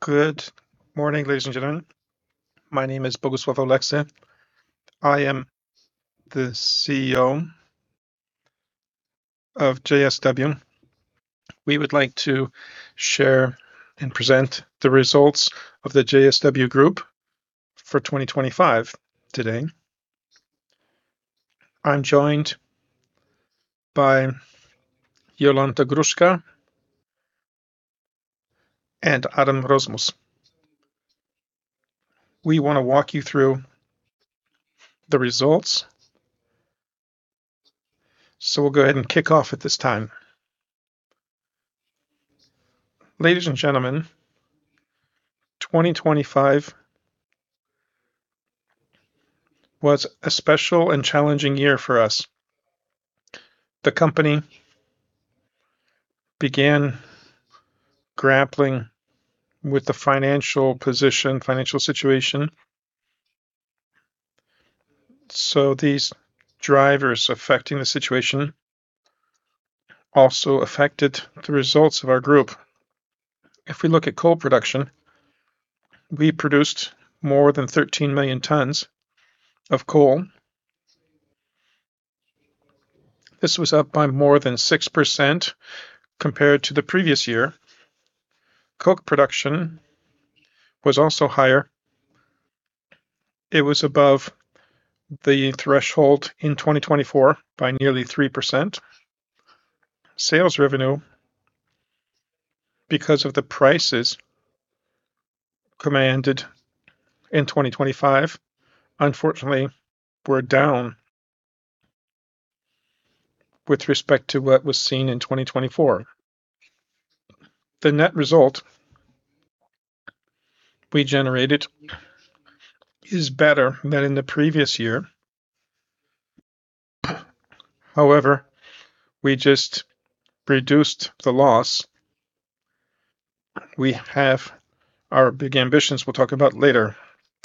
Good morning, ladies and gentlemen. My name is Bogusław Oleksy. I am the CEO of JSW. We would like to share and present the results of the JSW Group for 2025 today. I'm joined by Jolanta Gruszka and Adam Rozmus. We wanna walk you through the results, so we'll go ahead and kick off at this time. Ladies and gentlemen, 2025 was a special and challenging year for us. The company began grappling with the financial position, financial situation, so these drivers affecting the situation also affected the results of our group. If we look at Coal Production, we produced more than 13 million tons of coal. This was up by more than 6% compared to the previous year. Coke production was also higher. It was above the threshold in 2024 by nearly 3%. Sales revenue because of the prices commanded in 2025, unfortunately, were down with respect to what was seen in 2024. The net result we generated is better than in the previous year. However, we just reduced the loss. We have our big ambitions we'll talk about later.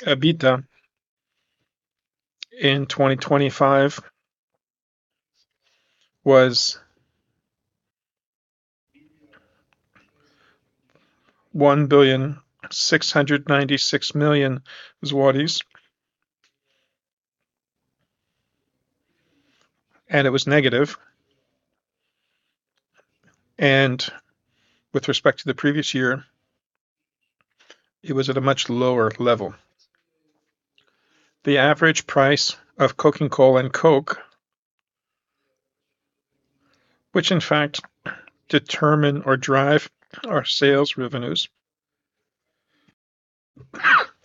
EBITDA in 2025 was PLN 1.696 billion, and it was negative. With respect to the previous year, it was at a much lower level. The average price of coking coal and coke, which in fact determine or drive our sales revenues,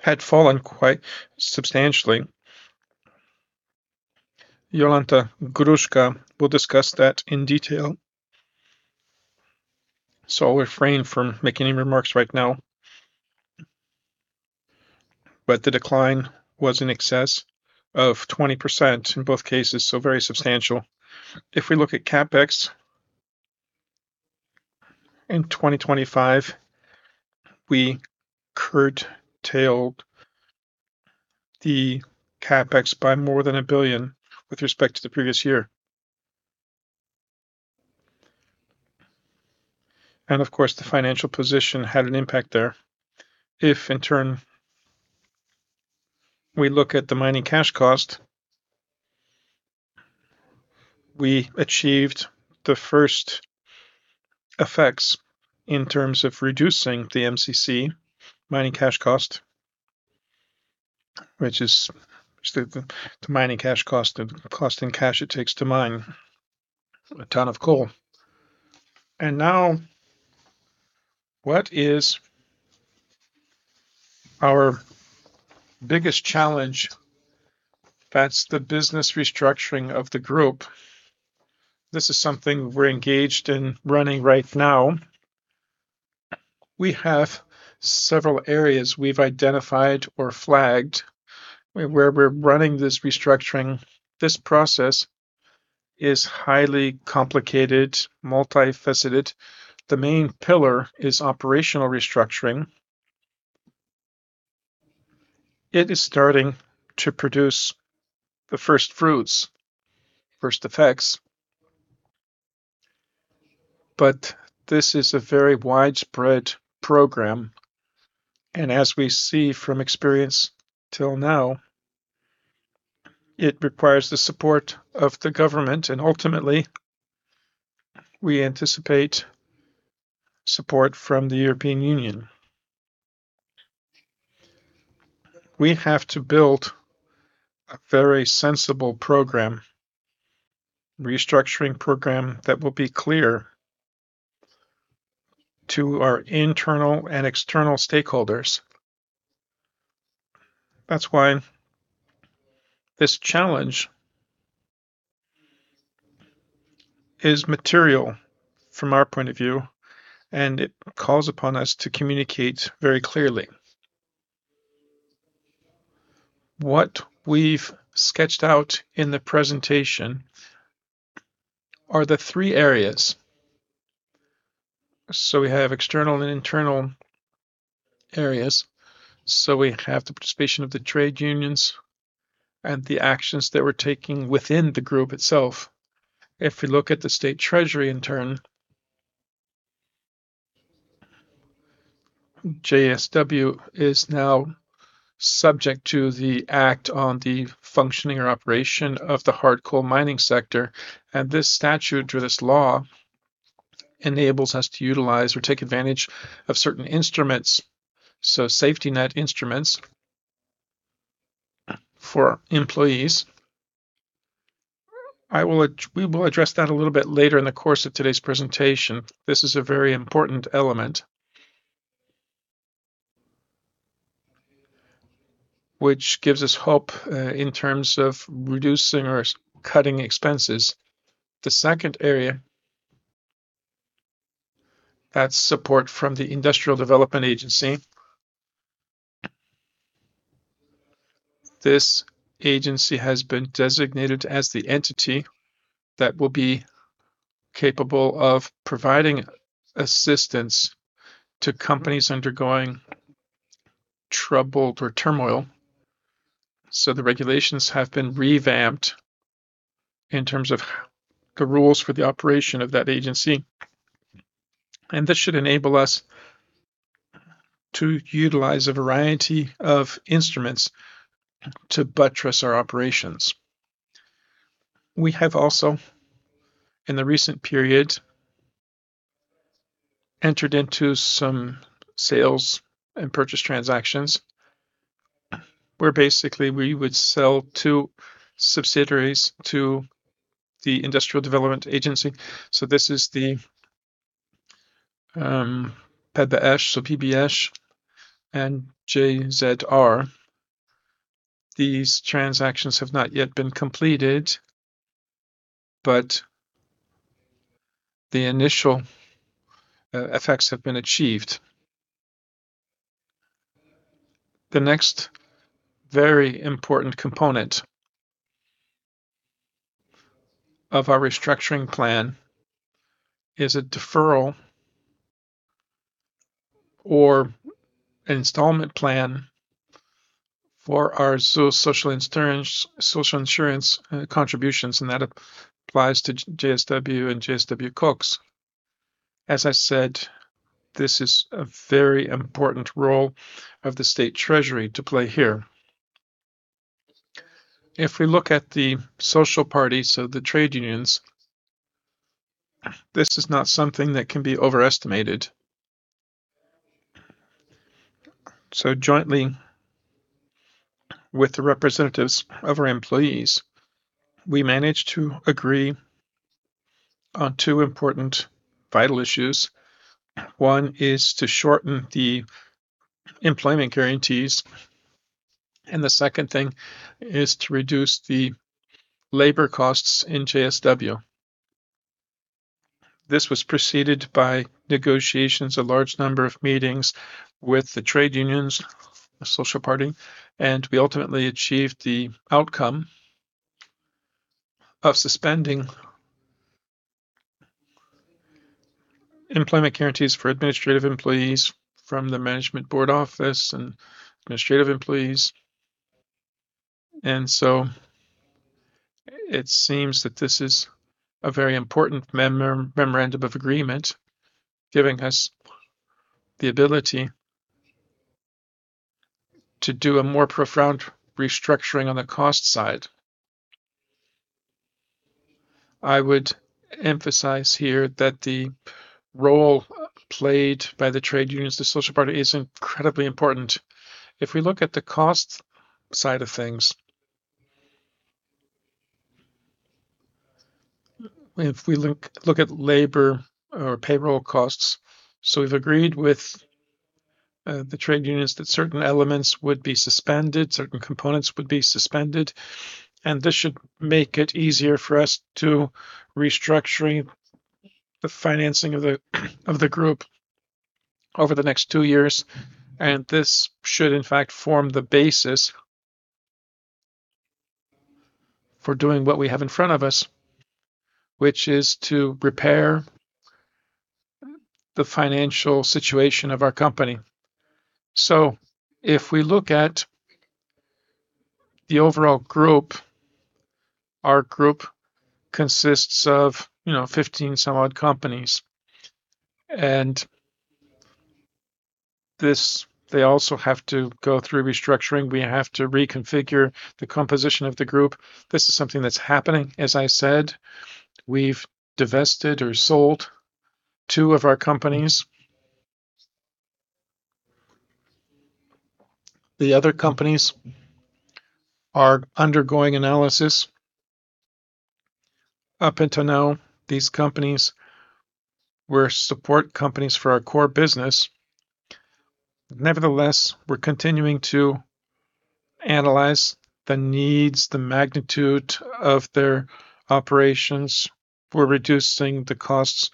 had fallen quite substantially. Jolanta Gruszka will discuss that in detail, so I'll refrain from making any remarks right now. The decline was in excess of 20% in both cases, so very substantial. We look at CapEx, in 2025, we curtailed the CapEx by more than 1 billion with respect to the previous year. Of course, the financial position had an impact there. In turn we look at the Mining Cash Cost, we achieved the first effects in terms of reducing the MCC, Mining Cash Cost, which is the Mining Cash Cost, the cost in cash it takes to mine a ton of coal. Now, what is our biggest challenge? That's the business restructuring of the Group. This is something we're engaged in running right now. We have several areas we've identified or flagged where we're running this restructuring. This process is highly complicated, multifaceted. The main pillar is operational restructuring. It is starting to produce the first fruits, first effects, this is a very widespread program. As we see from experience till now, it requires the support of the government, and ultimately, we anticipate support from the European Union. We have to build a very sensible program, restructuring program that will be clear to our internal and external stakeholders. That's why this challenge is material from our point of view, and it calls upon us to communicate very clearly. What we've sketched out in the presentation are the three areas. We have external and internal areas. We have the participation of the trade unions and the actions that we're taking within the group itself. If we look at the state treasury in turn, JSW is now subject to the Act on the Functioning Operation of the Hard Coal Mining Sector. This statute or this law enables us to utilize or take advantage of certain instruments, so safety net instruments for employees. We will address that a little bit later in the course of today's presentation. This is a very important element which gives us hope in terms of reducing or cutting expenses. The second area, that's support from the Industrial Development Agency. This agency has been designated as the entity that will be capable of providing assistance to companies undergoing trouble or turmoil. The regulations have been revamped in terms of the rules for the operation of that agency, and this should enable us to utilize a variety of instruments to buttress our operations. We have also, in the recent period, entered into some sales and purchase transactions where basically we would sell two subsidiaries to the Industrial Development Agency. This is the PBSz and JZR. These transactions have not yet been completed, but the initial effects have been achieved. The next very important component of our restructuring plan is a deferral or installment plan for our social insurance contributions, and that applies to JSW and JSW Koks. As I said, this is a very important role of the state treasury to play here. If we look at the social parties of the trade unions, this is not something that can be overestimated. Jointly with the representatives of our employees, we managed to agree on two important vital issues. One is to shorten the employment guarantees, and the second thing is to reduce the labor costs in JSW. This was preceded by negotiations, a large number of meetings with the trade unions, the social party, and we ultimately achieved the outcome of suspending employment guarantees for administrative employees from the management board office and administrative employees. It seems that this is a very important memorandum of agreement, giving us the ability to do a more profound restructuring on the cost side. I would emphasize here that the role played by the trade unions, the social party, is incredibly important. If we look at the cost side of things, if we look at labor or payroll costs, we've agreed with the trade unions that certain elements would be suspended, certain components would be suspended, and this should make it easier for us to restructure the financing of the group over the next two years, and this should in fact form the basis for doing what we have in front of us, which is to repair the financial situation of our company. If we look at the overall group, our group consists of, you know, 15 some odd companies, and these also have to go through restructuring. We have to reconfigure the composition of the group. This is something that's happening. As I said, we've divested or sold two of our companies. The other companies are undergoing analysis. Up until now, these companies were support companies for our core business. Nevertheless, we're continuing to analyze the needs, the magnitude of their operations. We're reducing the costs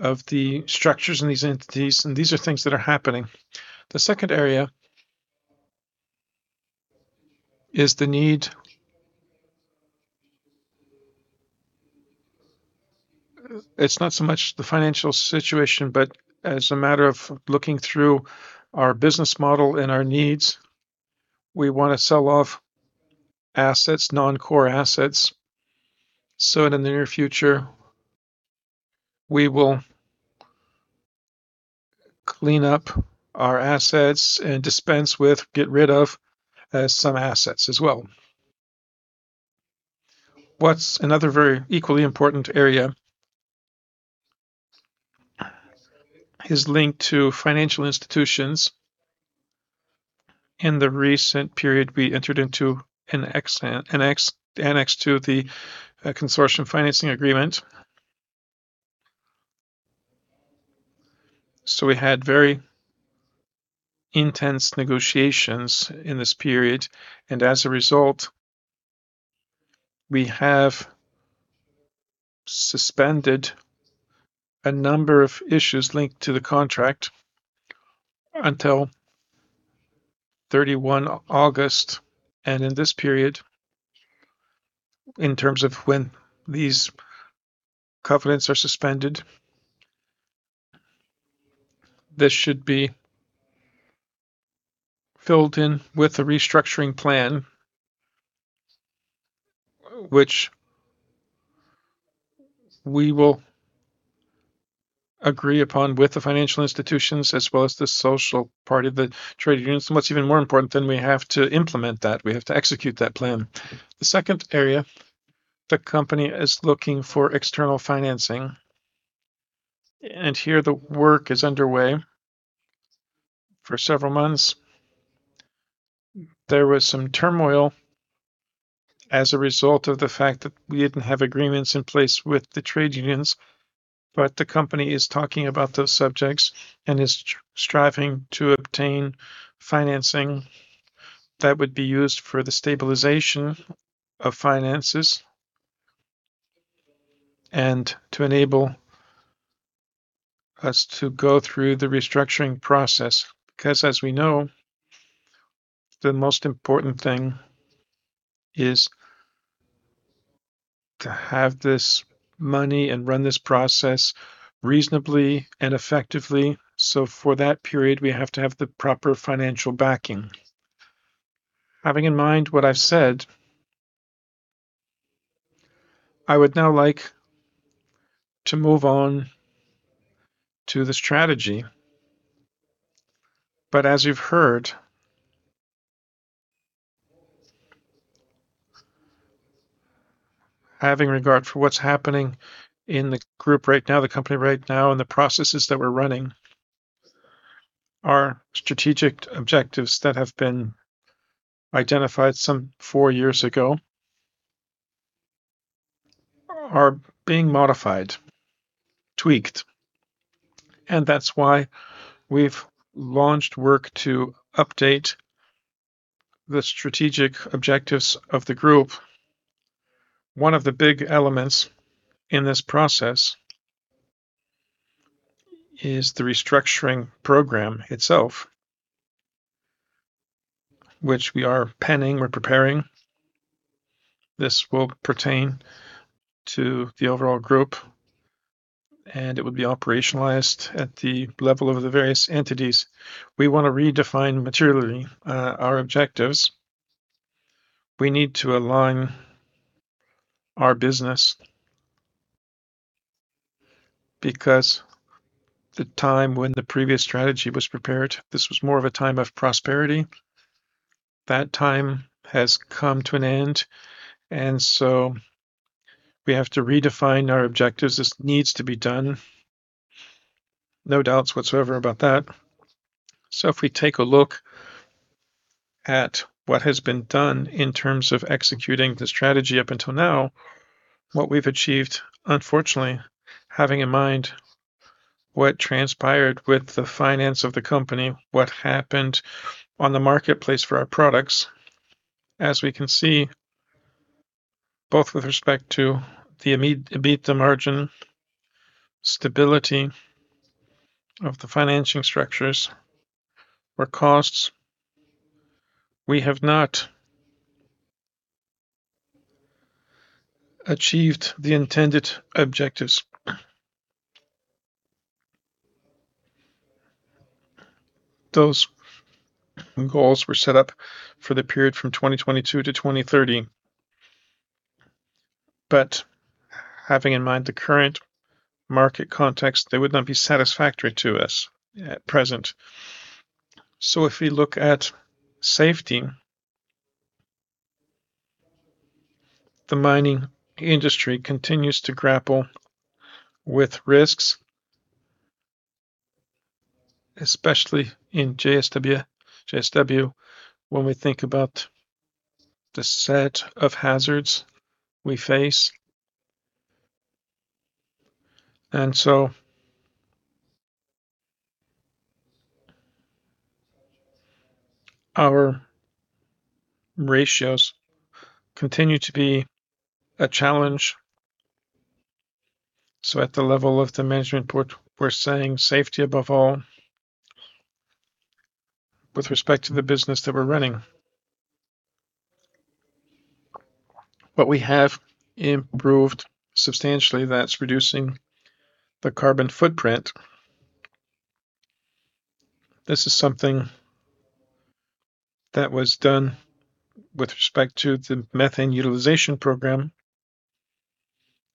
of the structures in these entities, and these are things that are happening. The second area is not so much the financial situation, but as a matter of looking through our business model and our needs, we want to sell off assets, non-core assets. In the near future, we will clean up our assets and dispense with, get rid of some assets as well. What's another very equally important area is linked to financial institutions. In the recent period, we entered into an annex to the consortium financing agreement. We had very intense negotiations in this period. As a result, we have suspended a number of issues linked to the contract until 31 August. In this period, in terms of when these covenants are suspended, this should be filled in with a restructuring plan. Which we will agree upon with the financial institutions as well as the social part of the trade unions. What's even more important than we have to implement that, we have to execute that plan. The second area, the company is looking for external financing. Here the work is underway for several months. There was some turmoil as a result of the fact that we didn't have agreements in place with the trade unions. The company is talking about those subjects and is striving to obtain financing that would be used for the stabilization of finances and to enable us to go through the restructuring process. As we know, the most important thing is to have this money and run this process reasonably and effectively. For that period, we have to have the proper financial backing. Having in mind what I've said, I would now like to move on to the strategy. As you've heard, having regard for what's happening in the group right now, the company right now, and the processes that we're running, our strategic objectives that have been identified some four years ago are being modified, tweaked. That's why we've launched work to update the strategic objectives of the Group. One of the big elements in this process is the restructuring program itself, which we are penning, we're preparing. This will pertain to the overall group, and it will be operationalized at the level of the various entities. We want to redefine materially our objectives. We need to align our business because the time when the previous strategy was prepared, this was more of a time of prosperity. That time has come to an end. We have to redefine our objectives. This needs to be done. No doubts whatsoever about that. If we take a look at what has been done in terms of executing the strategy up until now, what we've achieved, unfortunately, having in mind what transpired with the finance of the company, what happened on the marketplace for our products, as we can see, both with respect to the EBITDA margin, stability of the financing structures or costs, we have not achieved the intended objectives. Those goals were set up for the period from 2022 to 2030. Having in mind the current market context, they would not be satisfactory to us at present. If we look at safety, the mining industry continues to grapple with risks, especially in JSW. When we think about the set of hazards we face. Our ratios continue to be a challenge. At the level of the management board, we're saying safety above all with respect to the business that we're running. What we have improved substantially, that's reducing the carbon footprint. This is something that was done with respect to the methane utilization program.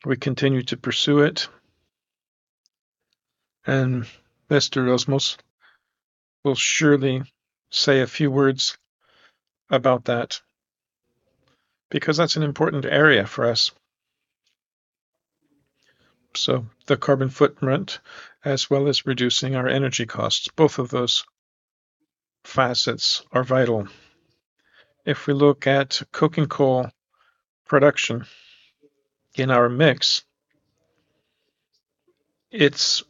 We continue to pursue it. Mr. Rozmus will surely say a few words about that because that's an important area for us. The carbon footprint as well as reducing our energy costs, both of those facets are vital. If we look Coking Coal Production in our mix, it's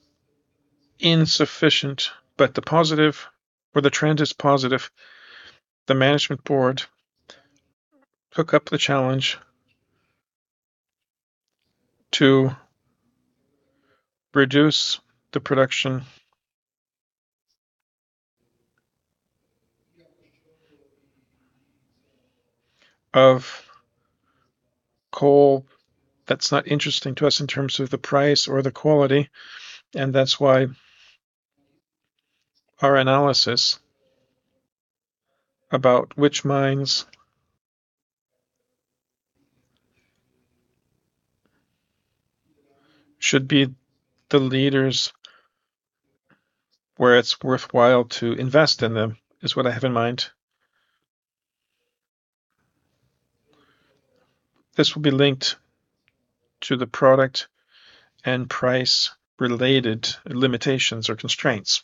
insufficient, but the positive or the trend is positive. The management board took up the challenge to reduce the production of coal that's not interesting to us in terms of the price or the quality. That's why our analysis about which mines should be the leaders where it's worthwhile to invest in them is what I have in mind. This will be linked to the product and price related limitations or constraints.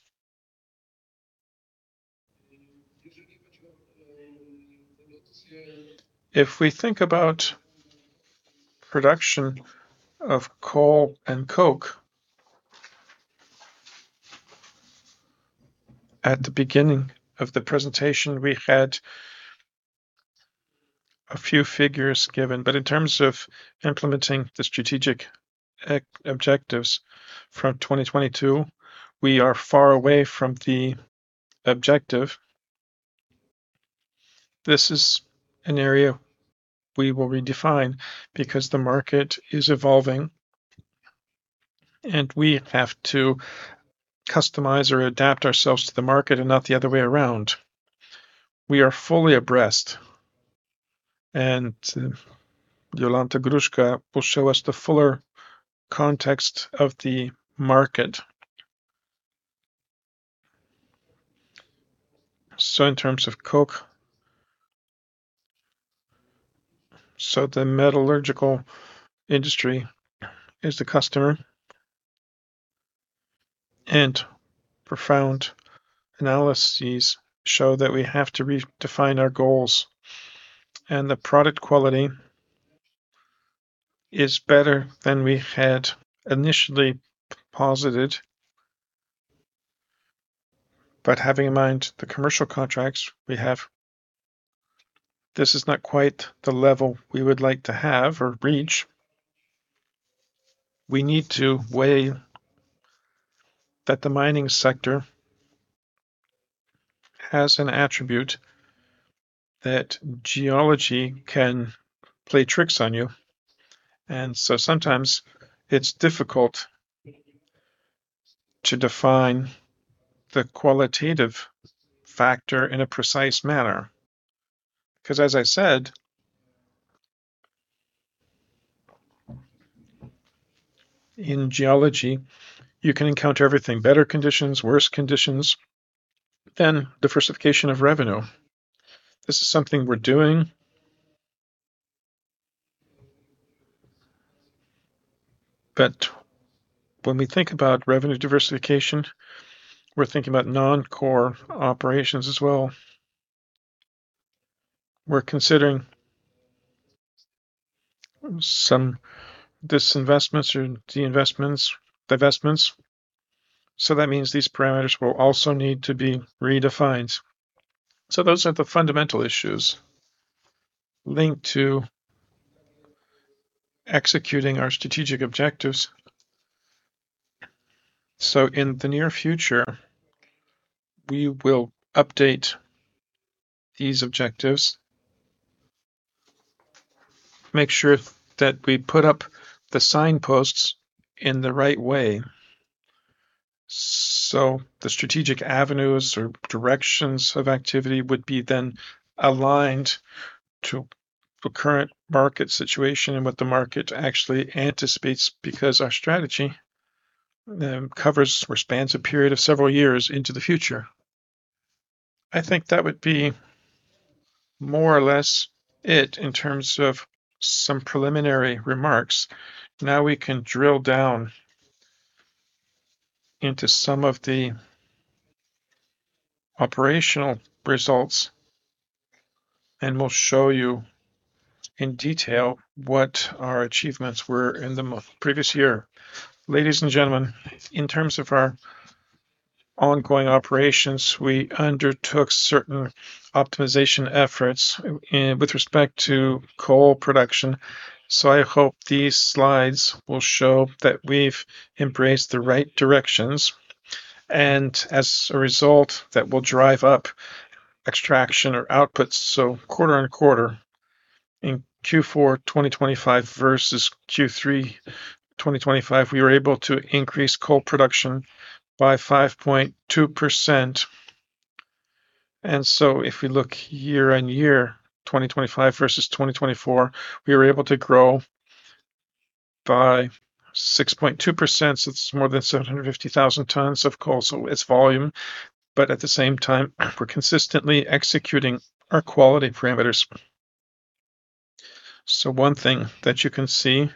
If we think about production of coal and coke, at the beginning of the presentation, we had a few figures given. In terms of implementing the strategic objectives from 2022, we are far away from the objective. This is an area we will redefine because the market is evolving and we have to customize or adapt ourselves to the market and not the other way around. We are fully abreast and Jolanta Gruszka will show us the fuller context of the market. In terms of Coke. The metallurgical industry is the customer and profound analyses show that we have to redefine our goals, and the product quality is better than we had initially posited. Having in mind the commercial contracts we have, this is not quite the level we would like to have or reach. We need to weigh that the mining sector has an attribute that geology can play tricks on you. Sometimes it's difficult to define the qualitative factor in a precise manner. As I said, in geology, you can encounter everything, better conditions, worse conditions than diversification of revenue. This is something we're doing. When we think about revenue diversification, we're thinking about non-core operations as well. We're considering some disinvestments or deinvestments, divestments. That means these parameters will also need to be redefined. Those are the fundamental issues linked to executing our strategic objectives. In the near future, we will update these objectives. Make sure that we put up the signposts in the right way. The strategic avenues or directions of activity would be then aligned to the current market situation and what the market actually anticipates because our strategy covers or spans a period of several years into the future. I think that would be more or less it in terms of some preliminary remarks. We can drill down into some of the operational results and we'll show you in detail what our achievements were in the previous year. Ladies and gentlemen, in terms of our ongoing operations, we undertook certain optimization efforts with respect to Coal Production. I hope these slides will show that we've embraced the right directions and as a result that will drive up extraction or outputs. Quarter-on-quarter. In Q4 2025 versus Q3 2025, we were able to increase Coal Production by 5.2%. If we look year-on-year, 2025 versus 2024, we were able to grow by 6.2%. It's more than 750,000 tons of coal. It's volume. At the same time, we're consistently executing our quality parameters. One thing that you can see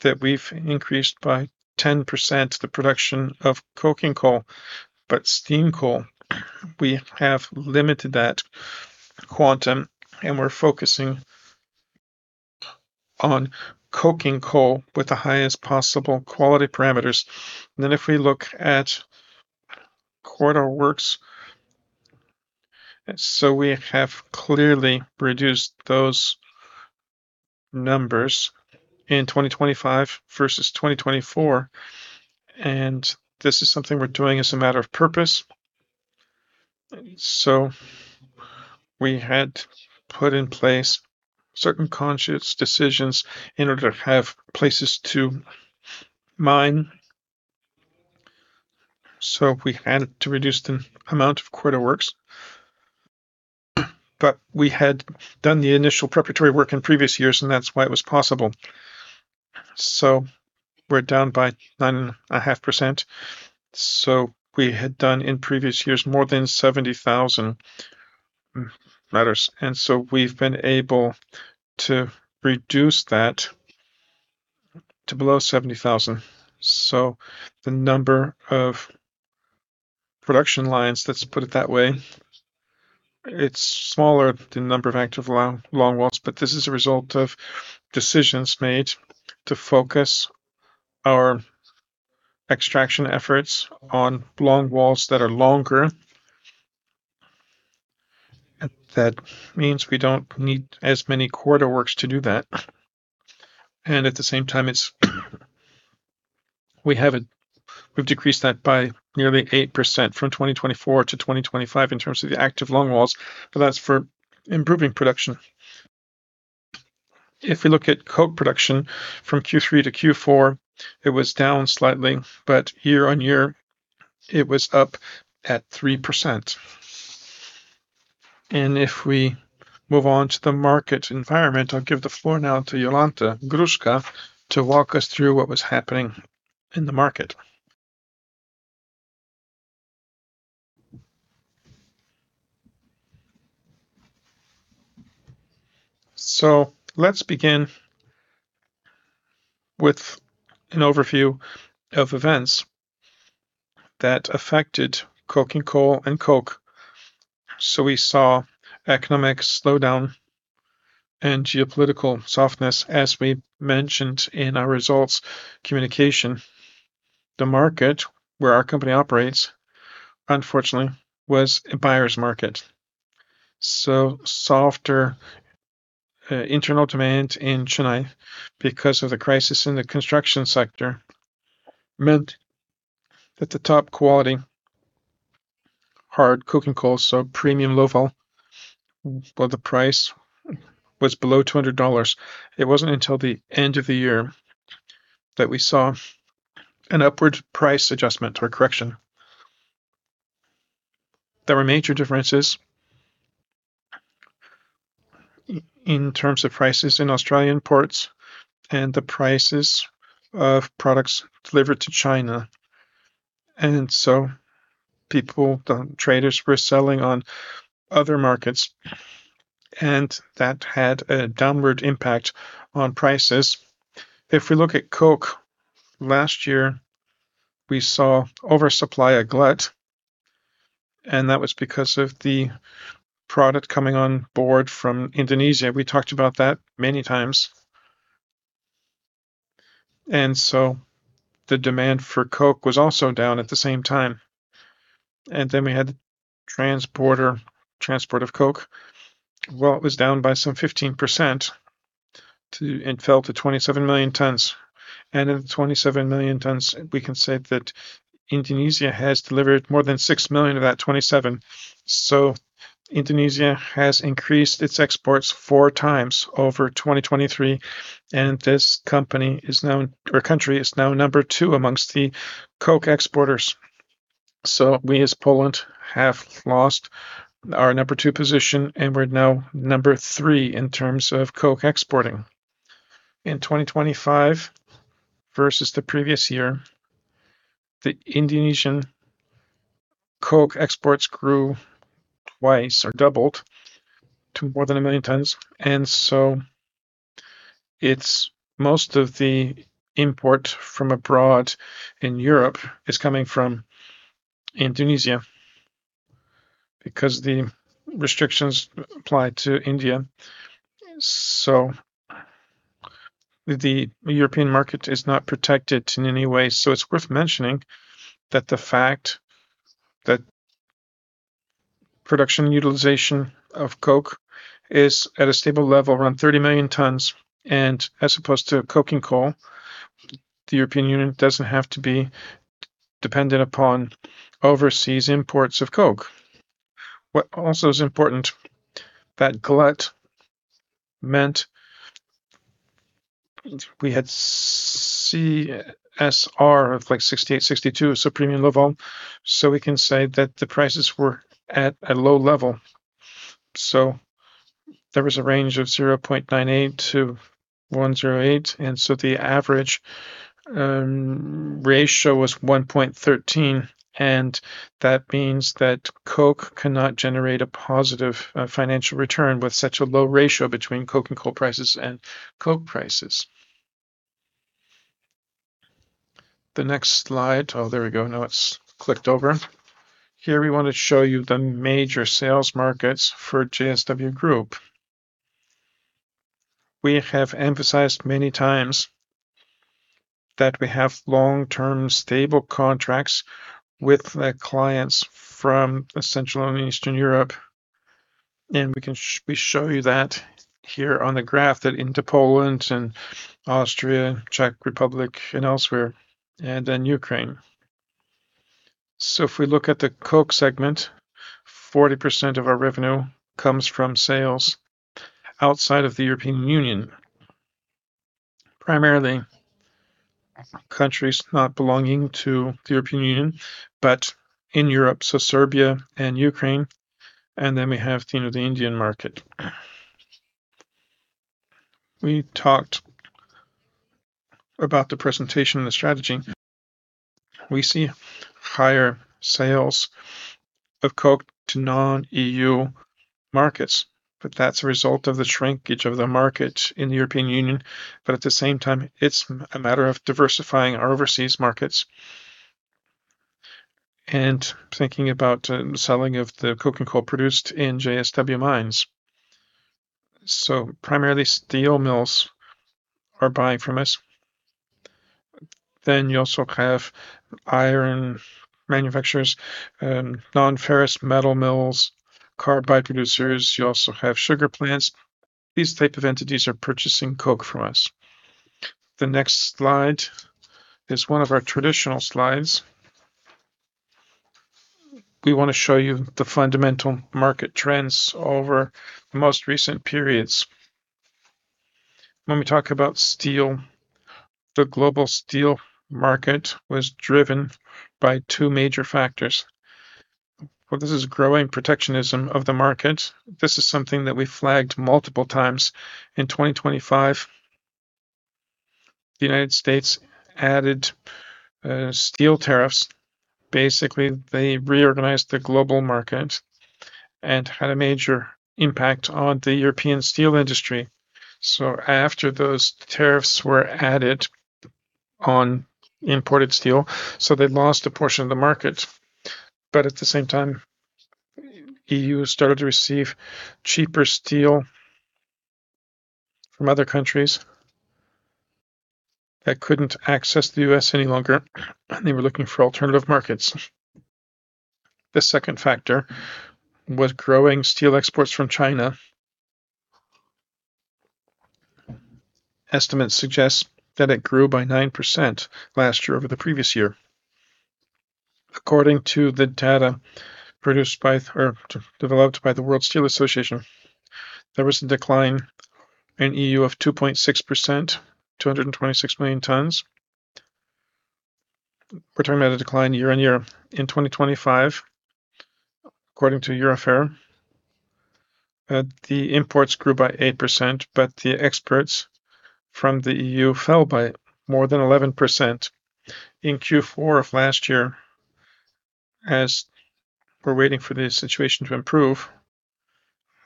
that we've increased by 10% the production of coking coal. Steam coal, we have limited that quantum and we're focusing on coking coal with the highest possible quality parameters. If we look at corridor works. We have clearly reduced those numbers in 2025 versus 2024. This is something we're doing as a matter of purpose. We had put in place certain conscious decisions in order to have places to mine. We had to reduce the amount of corridor works. We had done the initial preparatory work in previous years and that's why it was possible. We're down by 9.5%. We had done in previous years more than 70,000 m. We've been able to reduce that to below 70,000 m. The number of production lines, let's put it that way, it's smaller than the number of active long walls. This is a result of decisions made to focus our extraction efforts on long walls that are longer. That means we don't need as many corridor works to do that. At the same time, we've decreased that by nearly 8% from 2024 to 2025 in terms of the active long walls. That's for improving production. If we look at coke production from Q3 to Q4, it was down slightly. Year-on-year, it was up at 3%. If we move on to the market environment, I'll give the floor now to Jolanta Gruszka to walk us through what was happening in the market. Let's begin with an overview of events that affected coking coal and coke. We saw economic slowdown and geopolitical softness, as we mentioned in our results communication. The market where our company operates, unfortunately, was a buyer's market. Softer internal demand in China because of the crisis in the construction sector meant that the top quality hard coking coal, premium low vol, the price was below $20. It wasn't until the end of the year that we saw an upward price adjustment or correction. There were major differences in terms of prices in Australian ports and the prices of products delivered to China. People, the traders were selling on other markets and that had a downward impact on prices. If we look at coke, last year we saw oversupply a glut and that was because of the product coming on board from Indonesia. We talked about that many times. The demand for coke was also down at the same time. We had the transport of coke. Well, it was down by some 15% and fell to 27 million tons. In 27 million tons, we can say that Indonesia has delivered more than 6 million tons of that 27 million tons. Indonesia has increased its exports 4x over 2023. This country is now number two amongst the coke exporters. We as Poland have lost our number two position and we're now number three in terms of coke exporting. In 2025 versus the previous year, the Indonesian coke exports grew twice or doubled to more than a million tons. It's most of the import from abroad in Europe is coming from Indonesia because the restrictions apply to India. The European market is not protected in any way. It's worth mentioning that the fact that production utilization of coke is at a stable level around 30 million tons and as opposed to coking coal. The European Union doesn't have to be dependent upon overseas imports of coke. What also is important, that glut meant we had CSR of like 68%, 62%, so premium level. We can say that the prices were at a low level. There was a range of 0.98-1.08, and so the average ratio was 1.13, and that means that coke cannot generate a positive financial return with such a low ratio between coke and coal prices and coke prices. The next slide. Oh, there we go. Now it's clicked over. Here we want to show you the major sales markets for JSW Group. We have emphasized many times that we have long-term stable contracts with the clients from Central and Eastern Europe, and we show you that here on the graph that into Poland and Austria, Czech Republic and elsewhere, and then Ukraine. If we look at the Coke Segment, 40% of our revenue comes from sales outside of the European Union, primarily countries not belonging to the European Union, but in Europe, Serbia and Ukraine, and then we have, you know, the Indian market. We talked about the presentation and the strategy. We see higher sales of coke to non-EU markets, but that's a result of the shrinkage of the market in the European Union. At the same time, it's a matter of diversifying our overseas markets and thinking about selling of the coke and coal produced in JSW mines. Primarily steel mills are buying from us. You also have iron manufacturers, non-ferrous metal mills, carbide producers. You also have sugar plants. These type of entities are purchasing coke from us. The next slide is one of our traditional slides. We want to show you the fundamental market trends over the most recent periods. When we talk about steel, the global steel market was driven by two major factors. This is growing protectionism of the market. This is something that we flagged multiple times. In 2025, the United States added steel tariffs. They reorganized the global market and had a major impact on the European steel industry. After those tariffs were added on imported steel, so they lost a portion of the market. At the same time, EU started to receive cheaper steel from other countries that couldn't access the U.S. any longer, and they were looking for alternative markets. The second factor was growing steel exports from China. Estimates suggest that it grew by 9% last year over the previous year. According to the data produced by developed by the World Steel Association, there was a decline in EU of 2.6%, 226 million tons. We're talking about a decline year-on-year. In 2025, according to Eurofer, the imports grew by 8%, but the exports from the EU fell by more than 11% in Q4 of last year. As we're waiting for the situation to improve,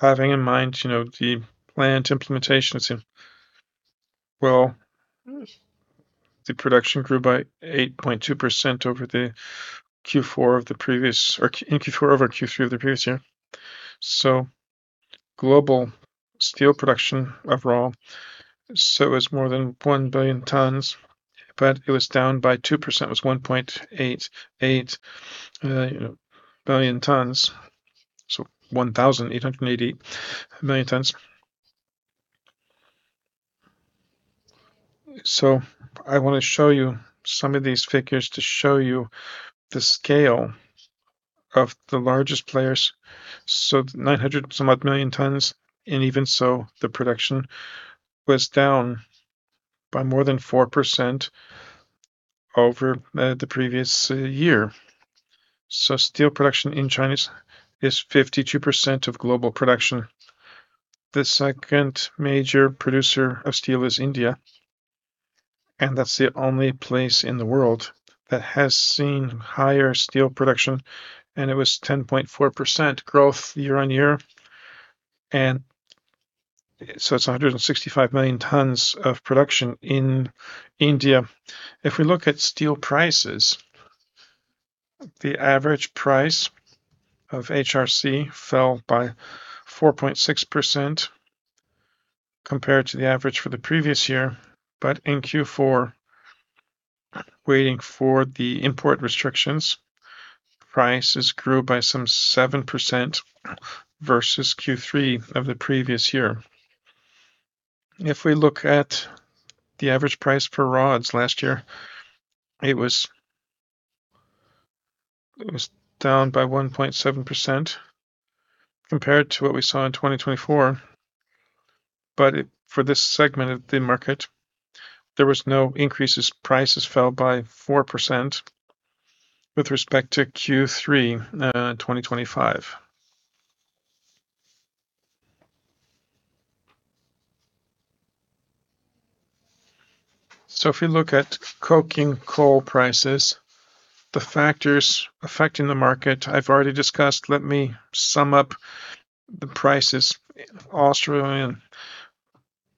having in mind, you know, the planned implementations in, well, the production grew by 8.2% in Q4 over Q3 of the previous year. Global steel production was more than 1 billion tons, but it was down by 2%. It was 1.88 billion tons, so 1,880 million tons. I want to show you some of these figures to show you the scale of the largest players. 900 and some odd million tons, even so, the production was down by more than 4% over the previous year. Steel production in China is 52% of global production. The second major producer of steel is India, that's the only place in the world that has seen higher steel production, it was 10.4% growth year on year. It's 665 million tons of production in India. If we look at steel prices, the average price of HRC fell by 4.6% compared to the average for the previous year. In Q4, waiting for the import restrictions, prices grew by some 7% versus Q3 of the previous year. If we look at the average price for rods last year, it was down by 1.7% compared to what we saw in 2024. For this segment of the market, there was no increases. Prices fell by 4% with respect to Q3 2025. If you look at coking coal prices, the factors affecting the market I've already discussed. Let me sum up the prices. Australian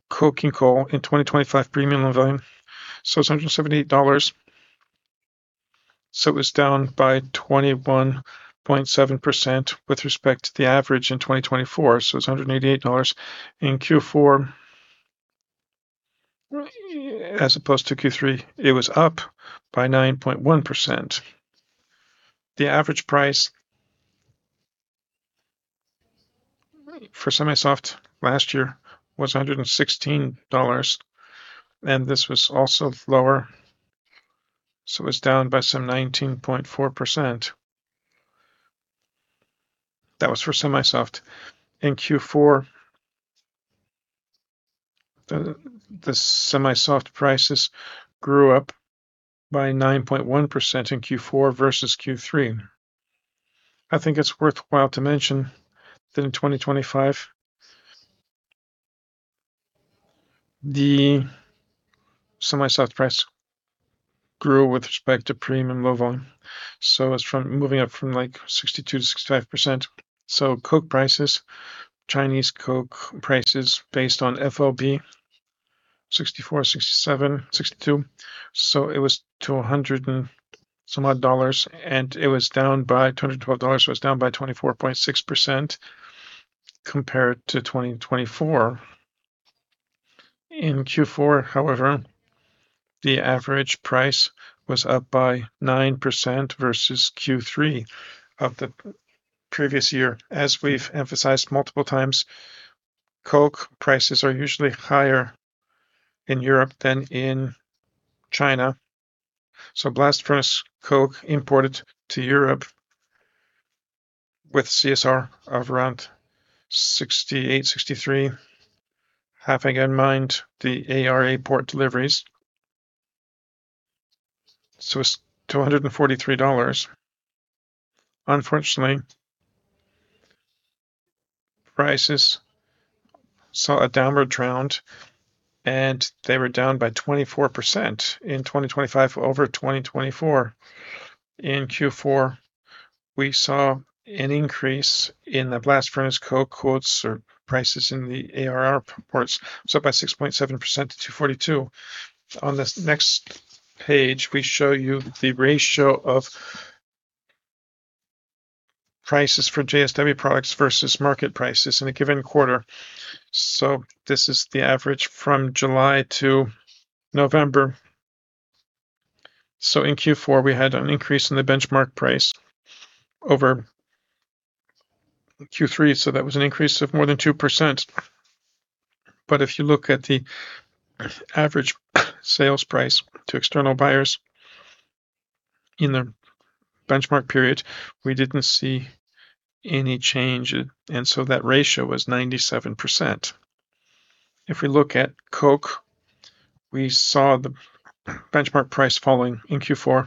coking coal in 2025 premium and low volume, so it's $178. It was down by 21.7% with respect to the average in 2024, so it's $288. In Q4, as opposed to Q3, it was up by 9.1%. The average price for semi-soft last year was $116, and this was also lower, so it was down by some 19.4%. That was for semi-soft. In Q4, the semi-soft prices grew up by 9.1% in Q4 versus Q3. I think it's worthwhile to mention that in 2025, the semi-soft price grew with respect to premium low vol, moving up from like 62%-65%. Coke prices, Chinese coke prices based on FOB, 64%, 67%, 62%, so it was to $100 and some odd, and it was down by $212. It's down by 24.6% compared to 2024. In Q4, however, the average price was up by 9% versus Q3 of the previous year. As we've emphasized multiple times, coke prices are usually higher in Europe than in China. Blast furnace coke imported to Europe with CSR of around 68%, 63%, having in mind the ARA port deliveries, so it's $243. Unfortunately, prices saw a downward trend, and they were down by 24% in 2025 over 2024. In Q4, we saw an increase in the blast furnace coke quotes or prices in the ARA ports. It's up by 6.7% to $242. On this next page, we show you the ratio of prices for JSW products versus market prices in a given quarter. This is the average from July to November. In Q4, we had an increase in the benchmark price over Q3, so that was an increase of more than 2%. If you look at the average sales price to external buyers in the benchmark period, we didn't see any change, that ratio was 97%. If we look at coke, we saw the benchmark price falling in Q4.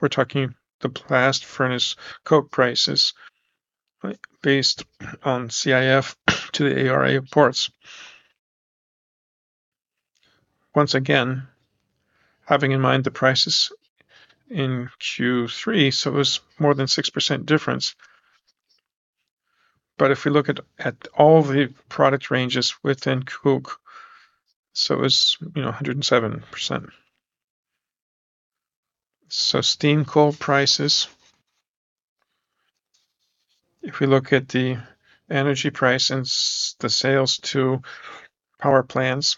We're talking the blast furnace coke prices based on CIF to the ARA ports. Once again, having in mind the prices in Q3, it was more than 6% difference. If we look at all the product ranges within coke, it was, you know, 107%. Steam coal prices. If we look at the energy price and the sales to power plants,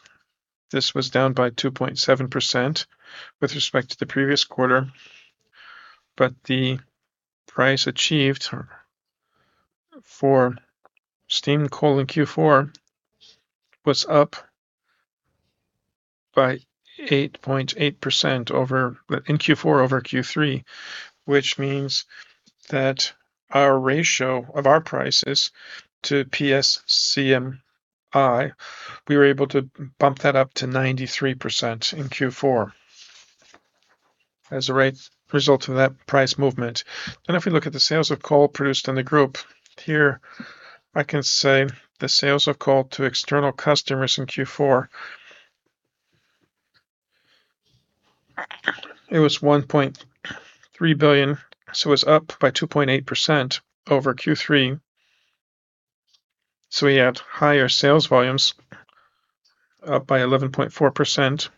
this was down by 2.7% with respect to the previous quarter. The price achieved for steam coal in Q4 was up by 8.8% over in Q4 over Q3, which means that our ratio of our prices to PSCMI, we were able to bump that up to 93% in Q4 as a result of that price movement. If we look at the sales of coal produced in the group, here I can say the sales of coal to external customers in Q4, it was 1.3 billion, so it was up by 2.8% over Q3. We had higher sales volumes up by 11.4%, and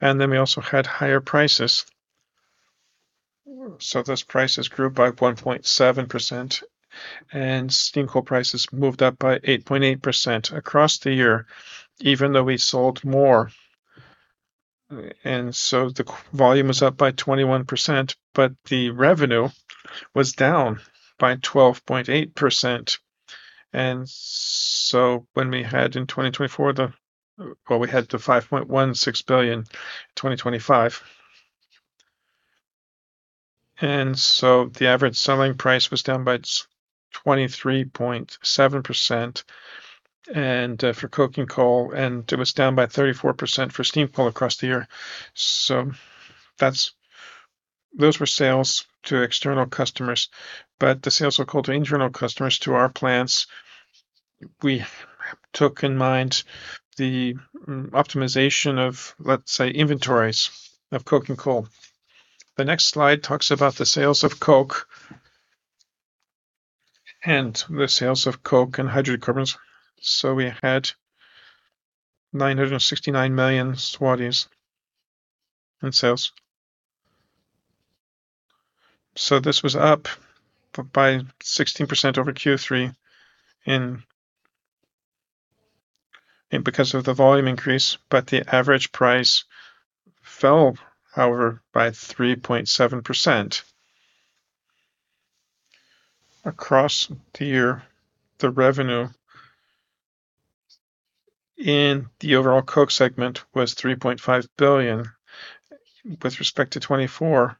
then we also had higher prices. Those prices grew by 1.7%, steam coal prices moved up by 8.8% across the year, even though we sold more. The volume was up by 21%, but the revenue was down by 12.8%. Well, we had the 5.16 billion 2025. The average selling price was down by 23.7% for coke and coal, and it was down by 34% for steam coal across the year. Those were sales to external customers, but the sales were called to internal customers to our plants. We took in mind the optimization of, let's say, inventories of coke and coal. The next slide talks about the sales of coke and the sales of coke and hydrocarbons. We had 969 million in sales. This was up by 16% over Q3 because of the volume increase, but the average price fell, however, by 3.7%. Across the year, the revenue in the overall Coke Segment was 3.5 billion. With respect to 2024,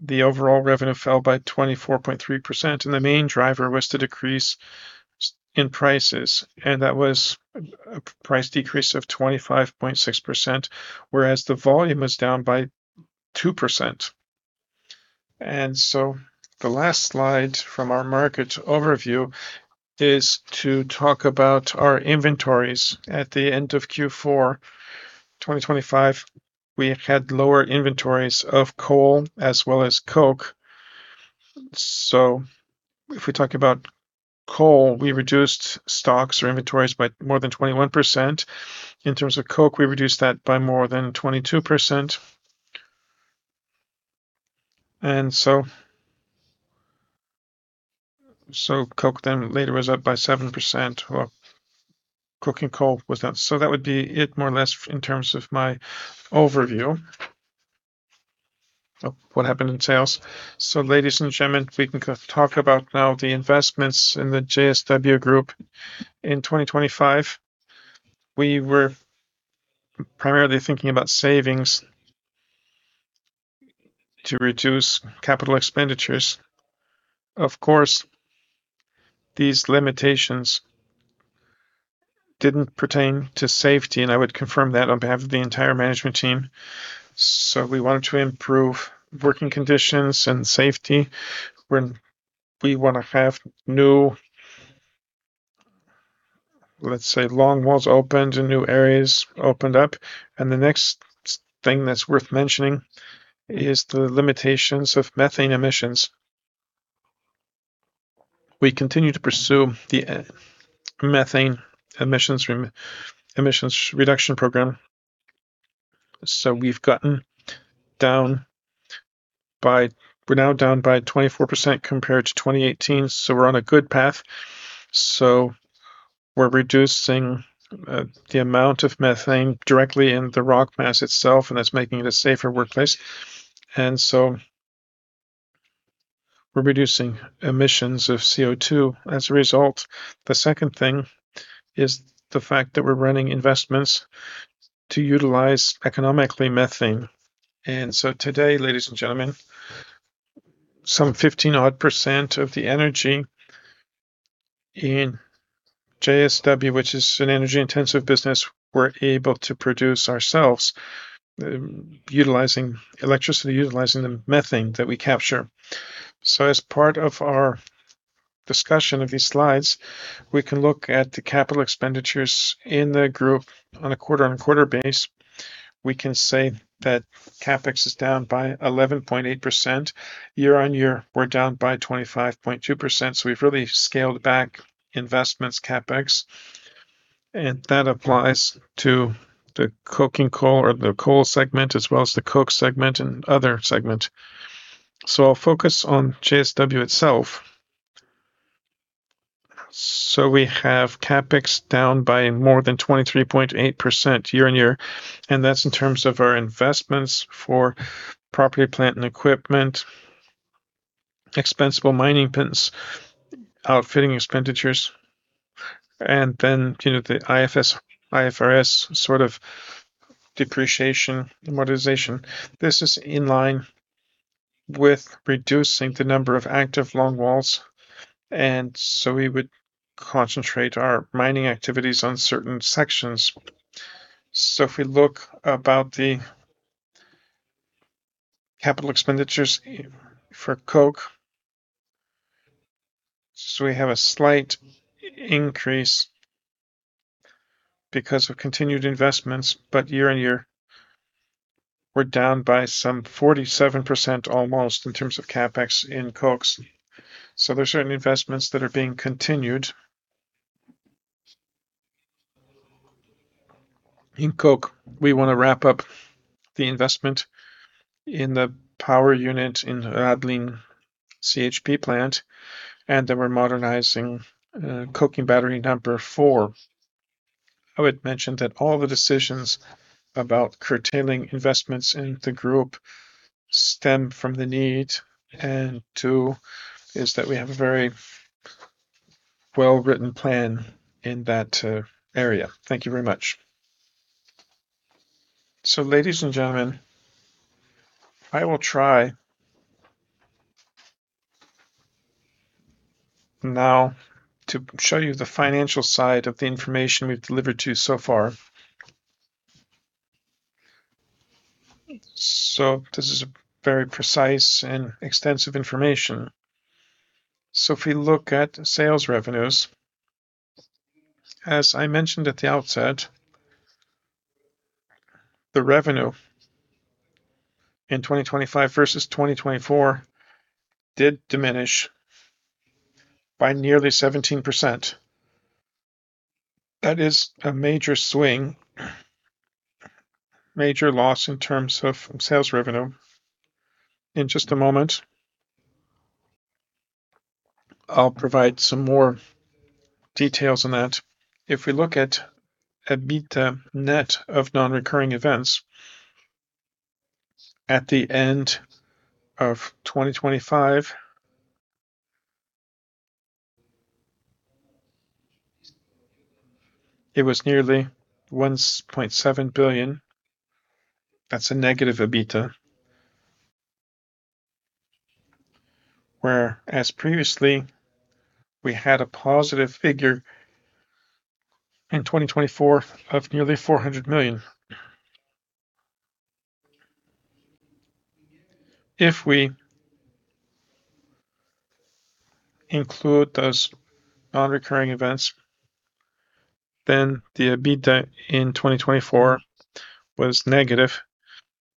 the overall revenue fell by 24.3%, and the main driver was the decrease in prices. That was a price decrease of 25.6%, whereas the volume was down by 2%. The last slide from our market overview is to talk about our inventories. At the end of Q4 2025, we had lower inventories of coal as well as coke. If we talk about coal, we reduced stocks or inventories by more than 21%. In terms of coke, we reduced that by more than 22%. Coke then later was up by 7%, or coking coal was down. That would be it more or less in terms of my overview of what happened in sales. Ladies and gentlemen, we can talk about now the investments in the JSW Group. In 2025, we were primarily thinking about savings to reduce capital expenditures. Of course, these limitations didn't pertain to safety, and I would confirm that on behalf of the entire management team. We wanted to improve working conditions and safety. We want to have new, let's say, longwalls opened and new areas opened up. The next thing that's worth mentioning is the limitations of methane emissions. We continue to pursue the methane emissions reduction program. We're now down by 24% compared to 2018. We're on a good path. We're reducing the amount of methane directly in the rock mass itself, and that's making it a safer workplace. We're reducing emissions of CO2 as a result. The second thing is the fact that we're running investments to utilize economically methane. Today, ladies and gentlemen, some 15-odd% of the energy in JSW, which is an energy-intensive business, we're able to produce ourselves utilizing electricity, utilizing the methane that we capture. As part of our discussion of these slides, we can look at the capital expenditures in the group on a quarter-on-quarter basis. We can say that CapEx is down by 11.8%. Year-on-year, we're down by 25.2%. We've really scaled back investments CapEx. That applies to the coking coal or the Coal Segment as well as the Coke Segment and other segment. I'll focus on JSW itself. We have CapEx down by more than 23.8% year-on-year. That's in terms of our investments for property plant and equipment, expensable mining pins, outfitting expenditures, and then the IFRS sort of depreciation and modernization. This is in line with reducing the number of active longwalls. We would concentrate our mining activities on certain sections. If we look about the capital expenditures for coke, so we have a slight increase because of continued investments. Year-on-year, we're down by some 47% almost in terms of CapEx in cokes. There are certain investments that are being continued. In coke, we want to wrap up the investment in the power unit in Radlin CHP plant, and then we're modernizing coking battery number four. I would mention that all the decisions about curtailing investments in the group stem from the need and to is that we have a very well-written plan in that area. Thank you very much. Ladies and gentlemen, I will try now to show you the financial side of the information we've delivered to you so far. This is a very precise and extensive information. If we look at sales revenues, as I mentioned at the outset, the revenue in 2025 versus 2024 did diminish by nearly 17%. That is a major swing, major loss in terms of sales revenue. In just a moment, I'll provide some more details on that. If we look at EBITDA net of non-recurring events at the end of 2025, it was nearly 1.7 billion. That's a negative EBITDA. Whereas previously, we had a positive figure in 2024 of nearly 400 million. If we include those non-recurring events, then the EBITDA in 2024 was negative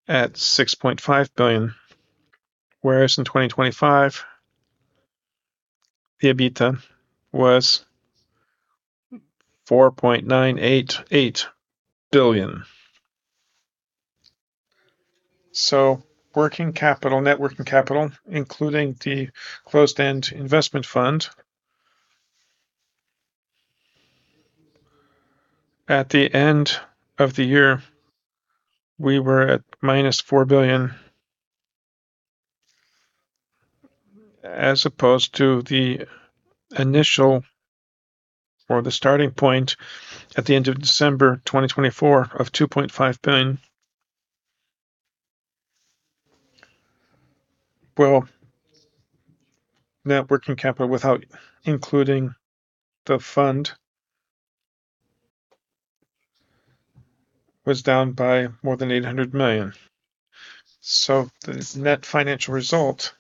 at 6.5 billion. In 2025, the EBITDA was 4.988 billion. Working capital, net working capital, including the closed-end investment fund, at the end of the year, we were at PLN -4 billion as opposed to the initial or the starting point at the end of December 2024 of 2.5 billion. Net working capital without including the fund was down by more than 800 million. The net financial result,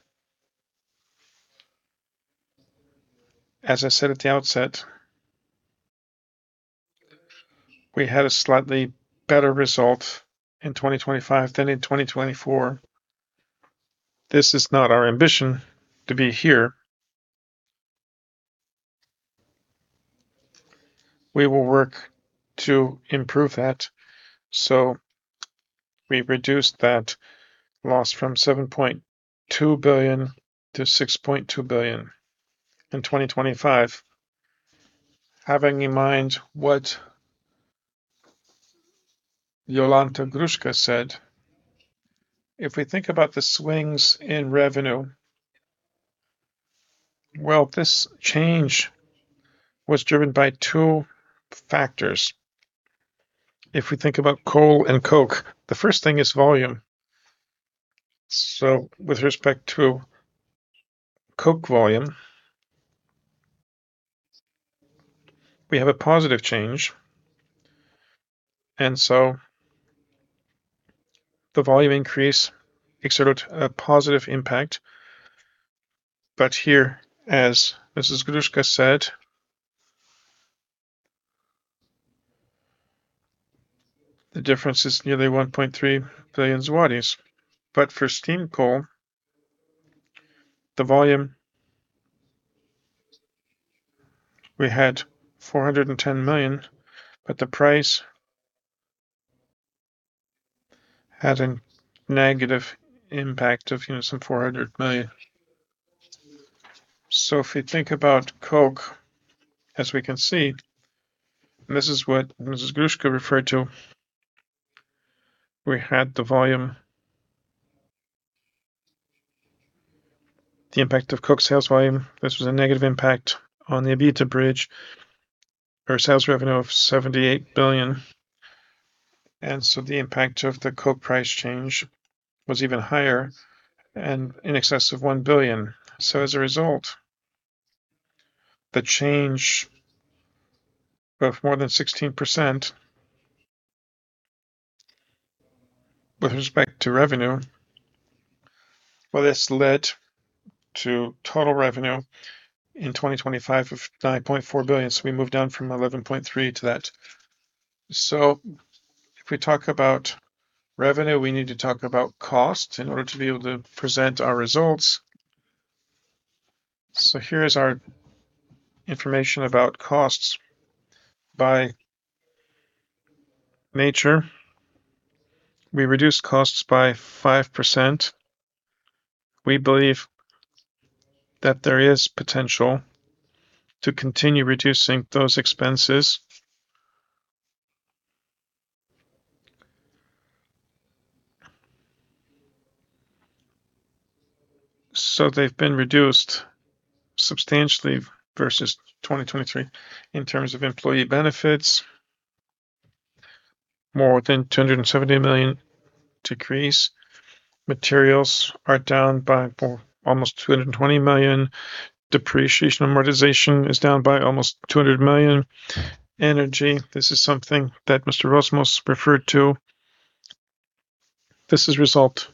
as I said at the outset, we had a slightly better result in 2025 than in 2024. This is not our ambition to be here. We will work to improve that. We reduced that loss from 7.2 billion to 6.2 billion in 2025. Having in mind what Jolanta Gruszka said, if we think about the swings in revenue, this change was driven by two factors. If we think about coal and coke, the first thing is volume. With respect to coke volume, we have a positive change, and so the volume increase exerted a positive impact. Here, as Mrs. Gruszka said, the difference is nearly 1.3 billion zlotys. For steam coal, the volume, we had 410 million, but the price had a negative impact of, you know, some 400 million. If we think about coke, as we can see, and this is what Mrs. Gruszka referred to, we had the volume. The impact of coke sales volume, this was a negative impact on the EBITDA bridge or sales revenue of 78 billion. The impact of the coke price change was even higher and in excess of 1 billion. As a result, the change of more than 16% with respect to revenue, well, this led to total revenue in 2025 of 9.4 billion. We moved down from 11.3 billion to that. If we talk about revenue, we need to talk about cost in order to be able to present our results. Here is our information about costs by nature. We reduced costs by 5%. We believe that there is potential to continue reducing those expenses. They've been reduced substantially versus 2023 in terms of employee benefits. More than 270 million decrease. Materials are down by almost 220 million. Depreciation amortization is down by almost 200 million. Energy, this is something that Mr. Rozmus referred to. This is result